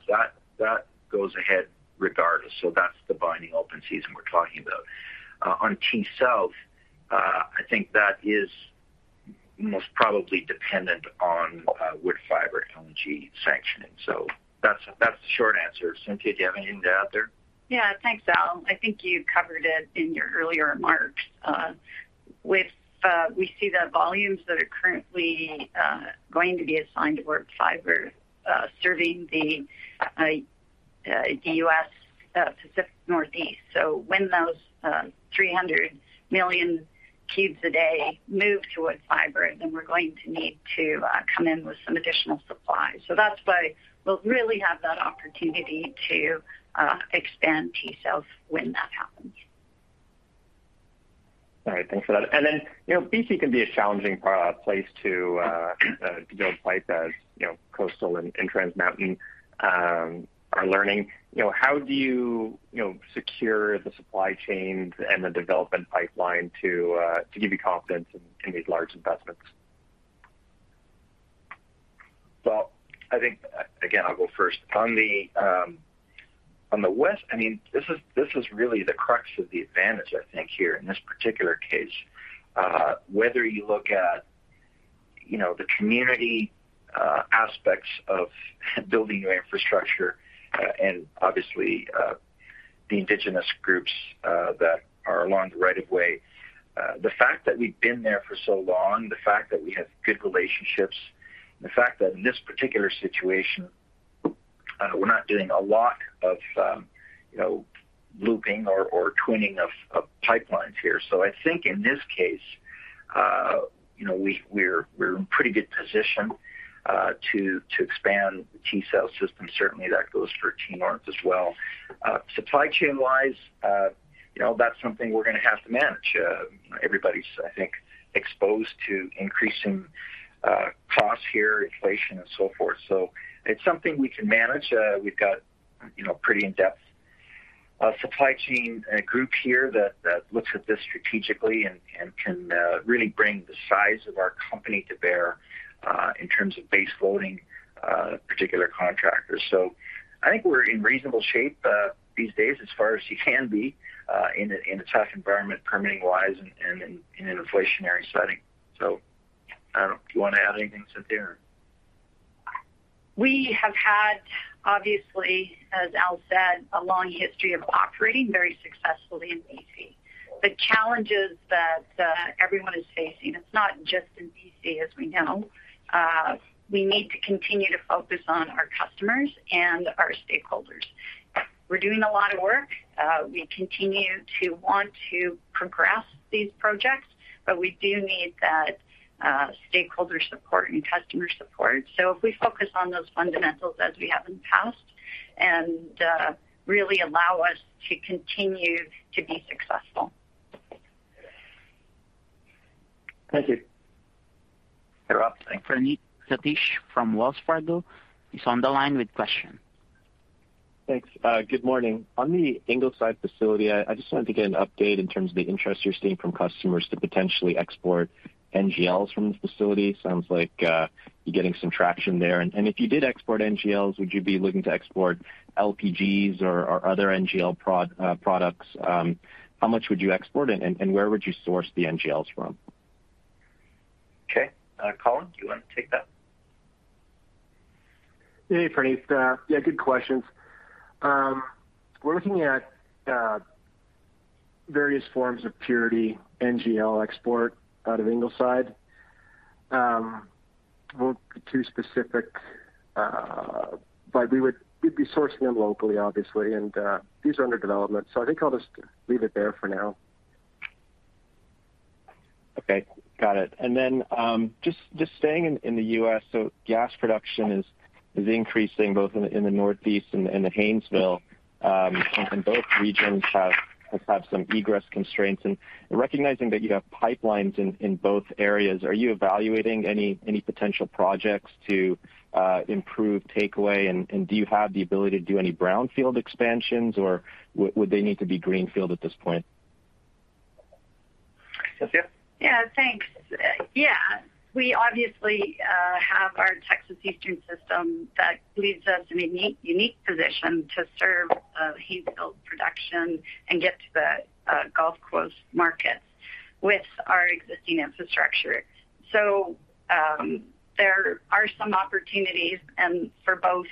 that goes ahead regardless. That's the binding open season we're talking about. On T-South, I think that is most probably dependent on Woodfibre LNG sanctioning. That's the short answer. Cynthia, do you have anything to add there? Yeah. Thanks, Al. I think you covered it in your earlier remarks. We see the volumes that are currently going to be assigned to Woodfibre, serving the US Pacific Northwest. When those 300 million cubes a day move to Woodfibre, then we're going to need to come in with some additional supply. That's why we'll really have that opportunity to expand T-South when that happens. All right. Thanks for that. Then, you know, BC can be a challenging place to build pipe as, you know, coastal and Trans Mountain are learning. You know, how do you know, secure the supply chains and the development pipeline to give you confidence in these large investments? Well, I think, again, I'll go first. On the west, I mean, this is really the crux of the advantage I think here in this particular case, whether you look at, you know, the community aspects of building new infrastructure, and obviously, the indigenous groups that are along the right of way. The fact that we've been there for so long, the fact that we have good relationships, and the fact that in this particular situation, we're not doing a lot of, you know, looping or twinning of pipelines here. I think in this case, you know, we're in pretty good position to expand the T-South system. Certainly, that goes for T-North as well. Supply chain-wise, you know, that's something we're gonna have to manage. Everybody's, I think, exposed to increasing costs here, inflation and so forth. It's something we can manage. We've got, you know, pretty in-depth supply chain group here that looks at this strategically and can really bring the size of our company to bear in terms of base loading particular contractors. I think we're in reasonable shape these days as far as you can be in a tough environment permitting-wise and in an inflationary setting. I don't. Do you wanna add anything, Cynthia? We have had, obviously, as Al said, a long history of operating very successfully in BC. The challenges that everyone is facing, it's not just in BC as we know. We need to continue to focus on our customers and our stakeholders. We're doing a lot of work. We continue to want to progress these projects, but we do need that stakeholder support and customer support. If we focus on those fundamentals as we have in the past, and really allow us to continue to be successful. Thank you. Hey, Rob. Thank you. Praneeth Satish from Wells Fargo is on the line with a question. Thanks. Good morning. On the Ingleside facility, I just wanted to get an update in terms of the interest you're seeing from customers to potentially export NGLs from the facility. Sounds like, you're getting some traction there. If you did export NGLs, would you be looking to export LPGs or other NGL products? How much would you export and where would you source the NGLs from? Okay. Colin, do you wanna take that? Hey, Praneeth. Yeah, good questions. We're looking at various forms of purity NGL export out of Ingleside. Won't be too specific, but we'd be sourcing them locally obviously, and these are under development, so I think I'll just leave it there for now. Okay. Got it. Just staying in the U.S. so gas production is increasing both in the Northeast and the Haynesville. Both regions have had some egress constraints. Recognizing that you have pipelines in both areas, are you evaluating any potential projects to improve takeaway? Do you have the ability to do any brownfield expansions, or would they need to be greenfield at this point? Cynthia? Yeah. Thanks. Yeah. We obviously have our Texas Eastern system that leaves us in a unique position to serve Haynesville production and get to the Gulf Coast market with our existing infrastructure. There are some opportunities for both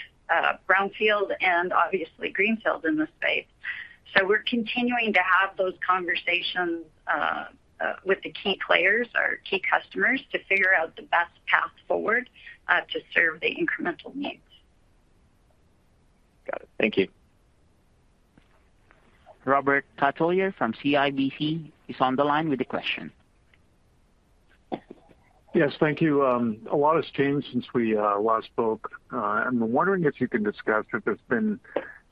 brownfield and obviously greenfield in this space. We're continuing to have those conversations with the key players, our key customers, to figure out the best path forward to serve the incremental needs. Got it. Thank you. Robert Catellier from CIBC is on the line with a question. Yes, thank you. A lot has changed since we last spoke. I'm wondering if you can discuss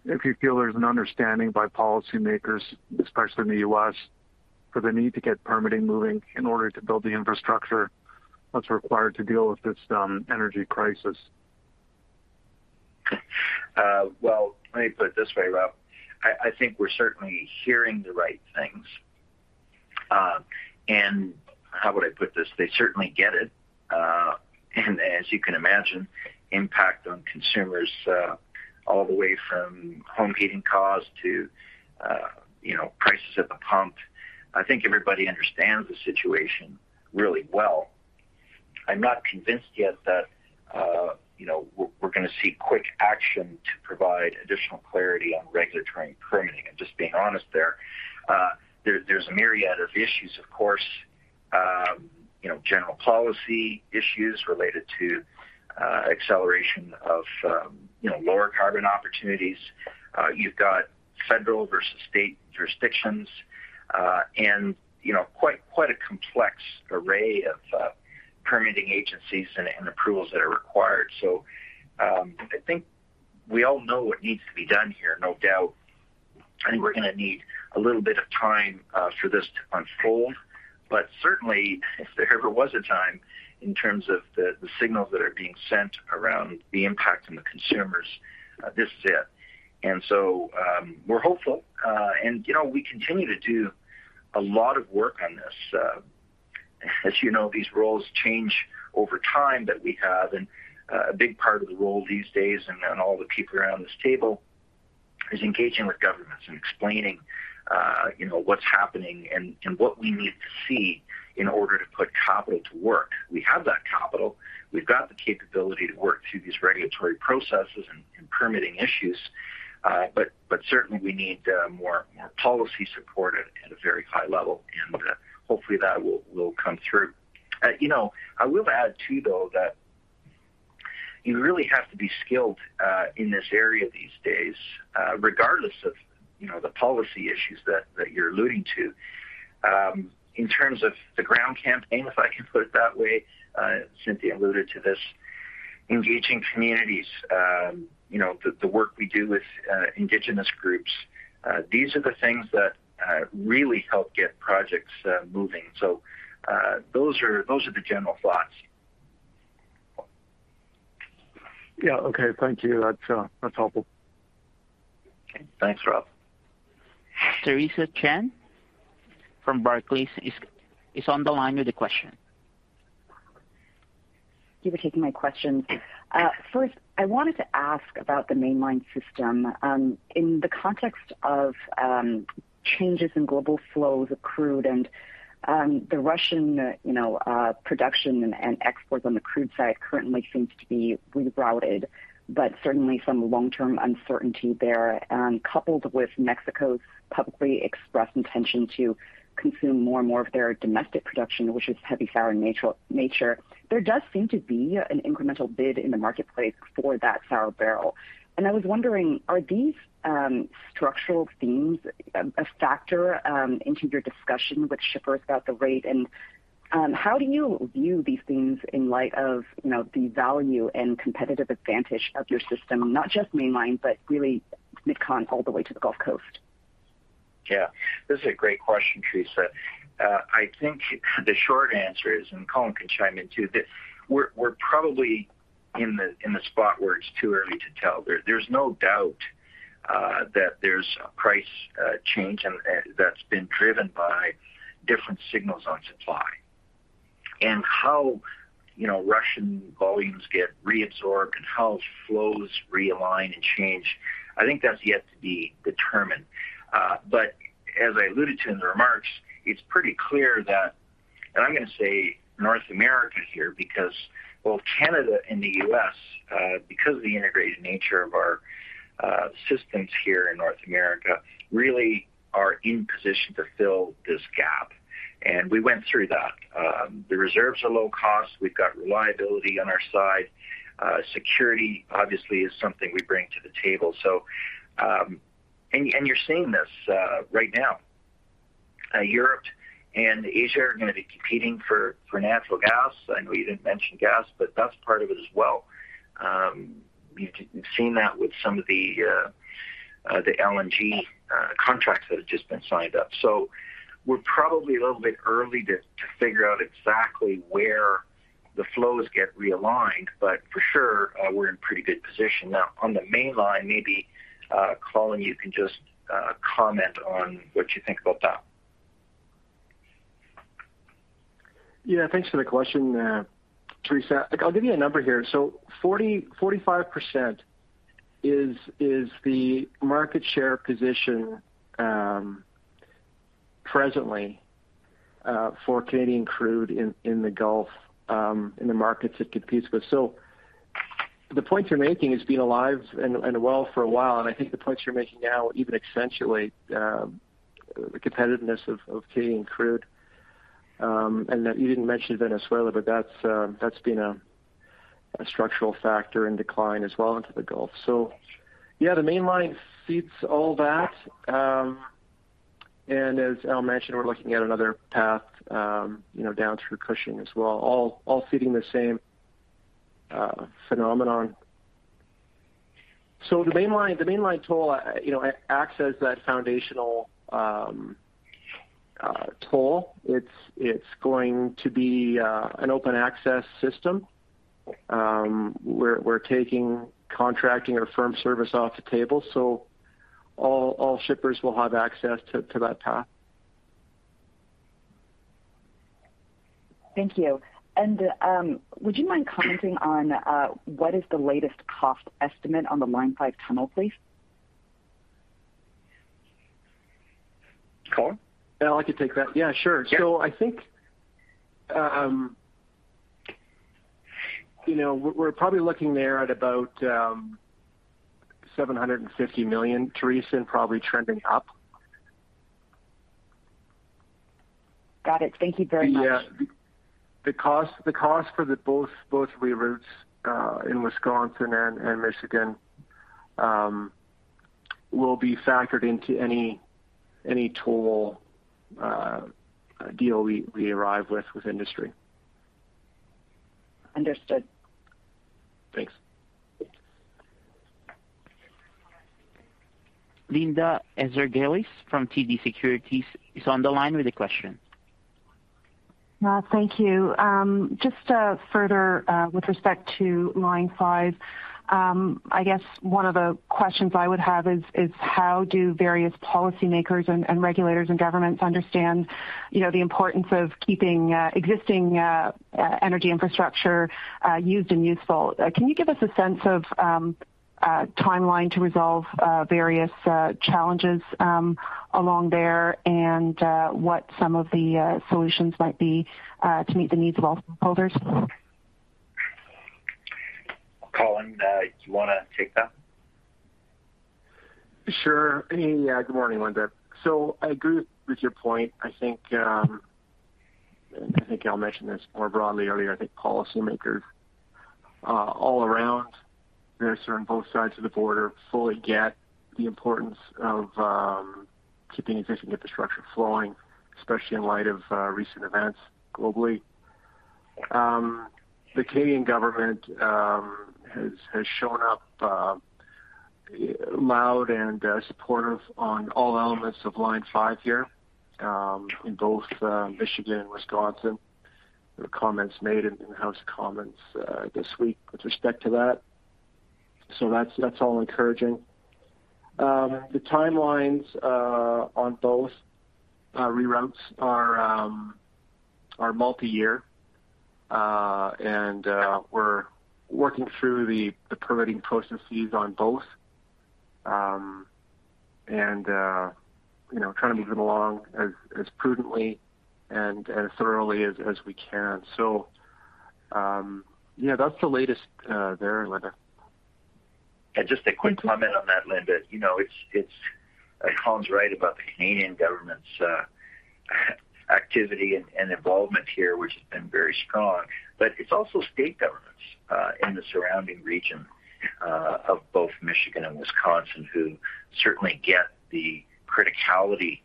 if you feel there's an understanding by policymakers, especially in the US, for the need to get permitting moving in order to build the infrastructure that's required to deal with this energy crisis. Well, let me put it this way, Rob. I think we're certainly hearing the right things. How would I put this? They certainly get it. As you can imagine, impact on consumers all the way from home heating costs to you know, prices at the pump. I think everybody understands the situation really well. I'm not convinced yet that you know, we're gonna see quick action to provide additional clarity on regulatory permitting. I'm just being honest there. There's a myriad of issues, of course, you know, general policy issues related to acceleration of you know, lower carbon opportunities. You've got federal versus state jurisdictions and you know, quite a complex array of permitting agencies and approvals that are required. I think we all know what needs to be done here, no doubt. I think we're gonna need a little bit of time for this to unfold. Certainly, if there ever was a time in terms of the signals that are being sent around the impact on the consumers, this is it. We're hopeful. You know, we continue to do a lot of work on this. As you know, these roles change over time that we have, and a big part of the role these days and all the people around this table is engaging with governments and explaining, you know, what's happening and what we need to see in order to put capital to work. We have that capital. We've got the capability to work through these regulatory processes and permitting issues. Certainly we need more policy support at a very high level, and hopefully that will come through. You know, I will add too, though, that you really have to be skilled in this area these days, regardless of you know, the policy issues that you're alluding to. In terms of the ground campaign, if I can put it that way, Cynthia alluded to this, engaging communities, you know, the work we do with indigenous groups, these are the things that really help get projects moving. Those are the general thoughts. Yeah. Okay. Thank you. That's helpful. Okay. Thanks, Rob. Theresa Chen from Barclays is on the line with a question. Thank you for taking my question. First, I wanted to ask about the Mainline system. In the context of changes in global flows of crude and the Russian, you know, production and exports on the crude side currently seems to be rerouted, but certainly some long-term uncertainty there. Coupled with Mexico's publicly expressed intention to consume more and more of their domestic production, which is heavy sour nature, there does seem to be an incremental bid in the marketplace for that sour barrel. I was wondering, are these structural themes a factor into your discussion with shippers about the rate? How do you view these themes in light of, you know, the value and competitive advantage of your system, not just Mainline, but really MidCon all the way to the Gulf Coast? Yeah. This is a great question, Theresa. I think the short answer is, and Colin can chime in too, that we're probably in the spot where it's too early to tell. There's no doubt that there's a price change and that's been driven by different signals on supply. How, you know, Russian volumes get reabsorbed and how flows realign and change, I think that's yet to be determined. As I alluded to in the remarks, it's pretty clear that, and I'm gonna say North America here because both Canada and the U.S. because of the integrated nature of our systems here in North America, really are in position to fill this gap. We went through that. The reserves are low cost. We've got reliability on our side. Security obviously is something we bring to the table. You're seeing this right now. Europe and Asia are gonna be competing for natural gas. I know you didn't mention gas, but that's part of it as well. You've seen that with some of the LNG contracts that have just been signed up. We're probably a little bit early to figure out exactly where the flows get realigned, but for sure, we're in pretty good position. Now, on the Mainline, maybe, Colin, you can just comment on what you think about that. Yeah. Thanks for the question, Theresa. I'll give you a number here. 45% is the market share position, presently, for Canadian crude in the Gulf, in the markets at Cushing. The point you're making has been alive and well for a while, and I think the points you're making now even accentuate the competitiveness of Canadian crude. You didn't mention Venezuela, but that's been a structural factor in decline as well into the Gulf. Yeah, the Mainline sees all that. As Al mentioned, we're looking at another path, you know, down through Cushing as well, all feeding the same phenomenon. The Mainline toll, you know, acts as that foundational toll. It's going to be an open access system. We're taking contracting or firm service off the table, so all shippers will have access to that path. Thank you. Would you mind commenting on what is the latest cost estimate on the Line 5 tunnel, please? Colin? Al, I can take that. Yeah, sure. Yeah. I think, you know, we're probably looking there at about 750 million, Theresa, and probably trending up. Got it. Thank you very much. The cost for both reroutes in Wisconsin and Michigan will be factored into any toll deal we arrive with industry. Understood. Thanks. Linda Ezergailis from TD Securities is on the line with a question. Thank you. Just further with respect to Line 5, I guess one of the questions I would have is how do various policymakers and regulators and governments understand, you know, the importance of keeping existing energy infrastructure used and useful? Can you give us a sense of a timeline to resolve various challenges along there and what some of the solutions might be to meet the needs of all stakeholders? Colin, do you wanna take that? Sure. Hey, good morning, Linda. I agree with your point. I think Al mentioned this more broadly earlier. I think policymakers all around this or on both sides of the border fully get the importance of keeping existing infrastructure flowing, especially in light of recent events globally. The Canadian government has shown up loud and supportive on all elements of Line 5 here in both Michigan and Wisconsin. There were comments made in the House of Commons this week with respect to that. That's all encouraging. The timelines on both reroutes are multiyear. We're working through the permitting processes on both and you know, trying to move it along as prudently and as thoroughly as we can. Yeah, that's the latest there, Linda. Just a quick comment on that, Linda. Colin's right about the Canadian government's activity and involvement here, which has been very strong. It's also state governments in the surrounding region of both Michigan and Wisconsin, who certainly get the criticality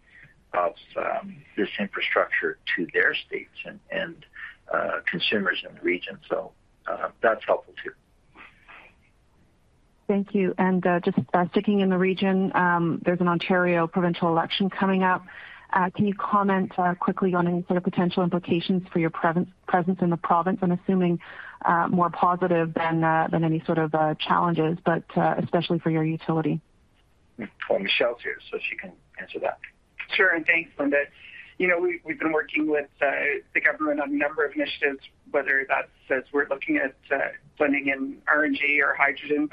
of this infrastructure to their states and consumers in the region. That's helpful too. Thank you. Just sticking in the region, there's an Ontario provincial election coming up. Can you comment quickly on any sort of potential implications for your presence in the province? I'm assuming more positive than any sort of challenges, but especially for your utility. Michele's here, so she can answer that. Sure, thanks, Linda. You know, we've been working with the government on a number of initiatives, whether that's as we're looking at blending in RNG or hydrogen.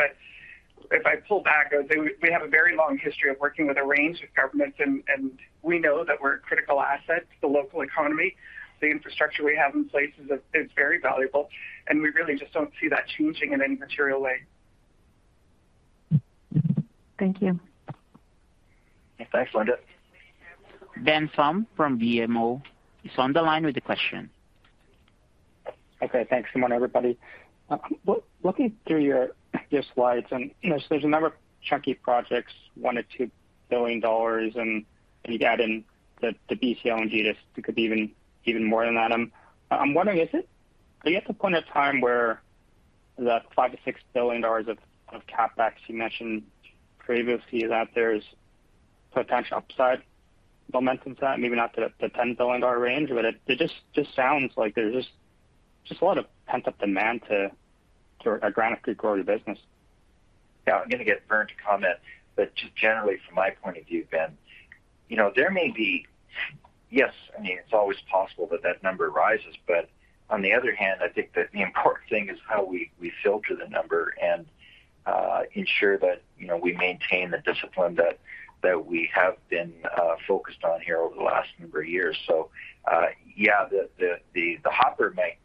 If I pull back, I would say we have a very long history of working with a range of governments and we know that we're a critical asset to the local economy. The infrastructure we have in place is very valuable, and we really just don't see that changing in any material way. Thank you. Yeah. Thanks, Linda. Ben Pham from BMO is on the line with a question. Okay, thanks. Good morning, everybody. Looking through your slides and, you know, there's a number of chunky projects, 1 billion-2 billion dollars, and if you add in the BC Pipeline, this could be even more than that. I'm wondering, is it? Are you at the point in time where the 5 billion-6 billion dollars of CapEx you mentioned previously, that there's potential upside momentum to that? Maybe not to the 10 billion dollar range, but it just sounds like there's just a lot of pent-up demand to grow your business. Yeah. I'm gonna get Vern to comment, but just generally from my point of view, Ben, you know, there may be. Yes, I mean, it's always possible that number rises. On the other hand, I think that the important thing is how we filter the number and ensure that, you know, we maintain the discipline that we have been focused on here over the last number of years. Yeah, the hopper may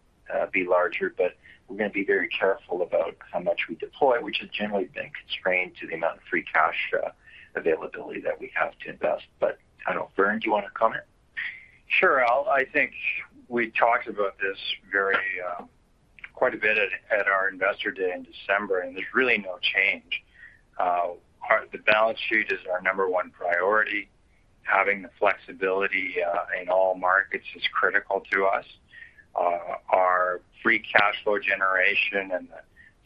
be larger, but we're gonna be very careful about how much we deploy, which has generally been constrained to the amount of free cash availability that we have to invest. I don't. Vern, do you wanna comment? Sure. Al, I think we talked about this very quite a bit at our Enbridge Day in December, and there's really no change. The balance sheet is our number one priority. Having the flexibility in all markets is critical to us. Our free cash flow generation and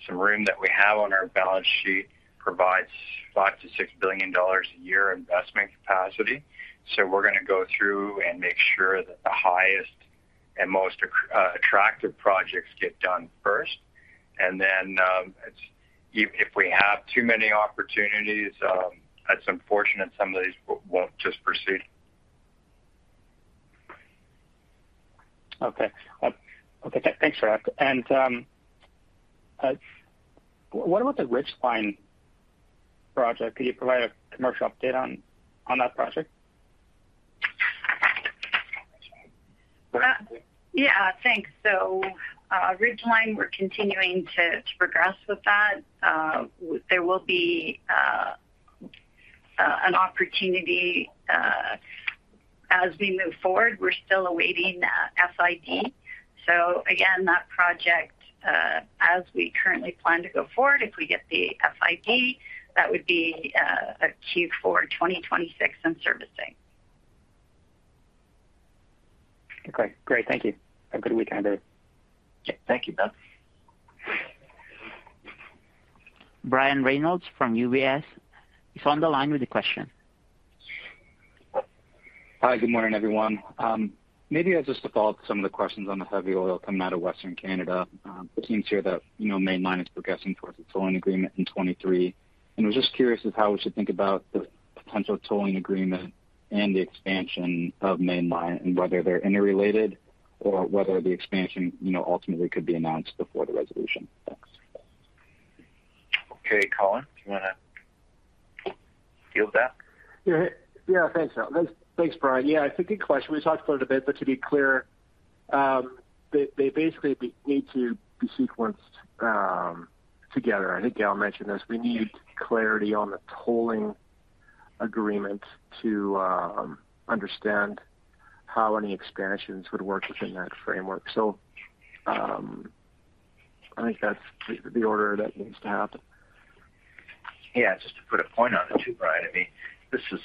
some room that we have on our balance sheet provides 5 billion-6 billion dollars a year investment capacity. We're gonna go through and make sure that the highest and most attractive projects get done first. If we have too many opportunities, that's unfortunate, some of these won't just proceed. Okay. Thanks for that. What about the Ridgeline project? Could you provide a commercial update on that project? Yeah, thanks. Ridgeline, we're continuing to progress with that. There will be an opportunity as we move forward. We're still awaiting FID. Again, that project, as we currently plan to go forward, if we get the FID, that would be a Q4 2026 in service. Okay. Great. Thank you. Have a good week, everybody. Okay. Thank you, Ben Pham. Brian Reynolds from UBS is on the line with a question. Hi, good morning, everyone. Maybe I'll just follow up some of the questions on the heavy oil coming out of Western Canada. The teams here that, you know, Mainline is progressing towards a tolling agreement in 2023. Was just curious as to how we should think about the potential tolling agreement and the expansion of Mainline, and whether they're interrelated or whether the expansion, you know, ultimately could be announced before the resolution. Thanks. Okay. Colin, do you wanna field that? Yeah. Yeah, thanks, Brian. It's a good question. We talked about it a bit, but to be clear, they basically need to be sequenced together. I think Gail mentioned this. We need clarity on the tolling agreement to understand how any expansions would work within that framework. I think that's the order that needs to happen. Yeah. Just to put a point on it too, Brian, I mean, this is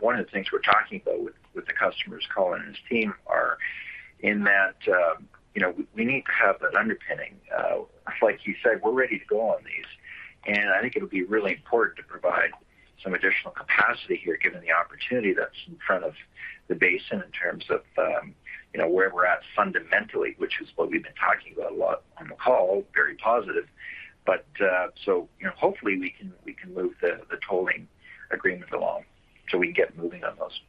one of the things we're talking about with the customers Colin and his team are in that, you know, we need to have that underpinning. Like you said, we're ready to go on these. I think it'll be really important to provide some additional capacity here, given the opportunity that's in front of the basin in terms of, you know, where we're at fundamentally, which is what we've been talking about a lot on the call, very positive. You know, hopefully we can move the tolling agreement along so we can get moving on those.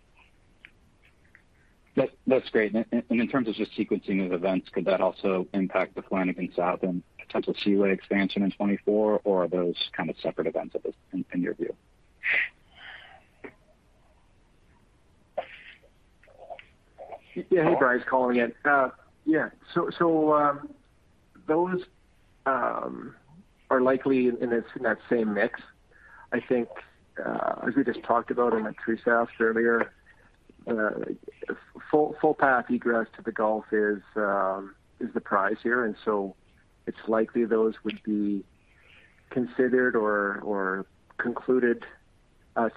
That, that's great. In terms of just sequencing of events, could that also impact the Flanagan South and potential Seaway expansion in 2024 or are those kind of separate events in your view? Yeah. Hey, Brian, it's Colin again. Those are likely in that same mix. I think as we just talked about on the T-South earlier, full path egress to the Gulf is the prize here, and it's likely those would be considered or concluded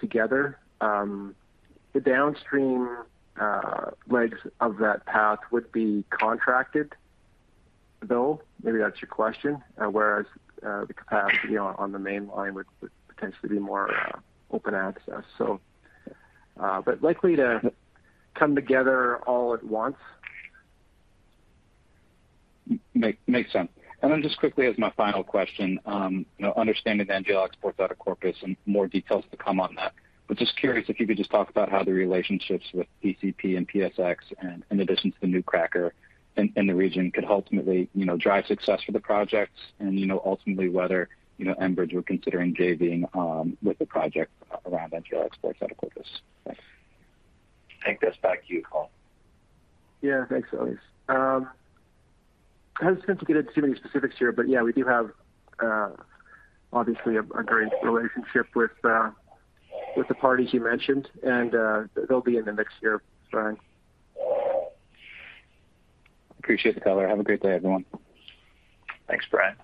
together. The downstream legs of that path would be contracted, though, maybe that's your question. Whereas the capacity on the Mainline would potentially be more open access. Likely to come together all at once. Makes sense. Then just quickly as my final question, you know, understanding the NGL exports out of Corpus Christi and more details to come on that. But just curious if you could just talk about how the relationships with DCP and PSX and in addition to the new cracker in the region could ultimately, you know, drive success for the projects and, you know, ultimately whether, you know, Enbridge were considering JVing with the project around NGL exports out of Corpus Christi. Thanks. Take this back to you, Colin. Yeah, thanks, Brian. I don't want to get into too many specifics here, but yeah, we do have obviously a great relationship with the parties you mentioned, and they'll be in the mix here as well. Appreciate the color. Have a great day, everyone. Thanks, Brian.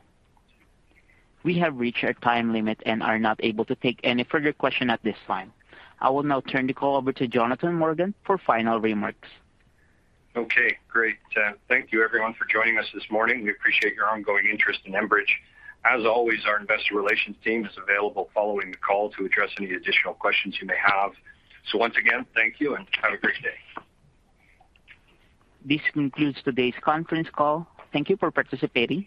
We have reached our time limit and are not able to take any further question at this time. I will now turn the call over to Jonathan Morgan for final remarks. Okay. Great. Thank you everyone for joining us this morning. We appreciate your ongoing interest in Enbridge. As always, our investor relations team is available following the call to address any additional questions you may have. Once again, thank you, and have a great day. This concludes today's conference call. Thank you for participating.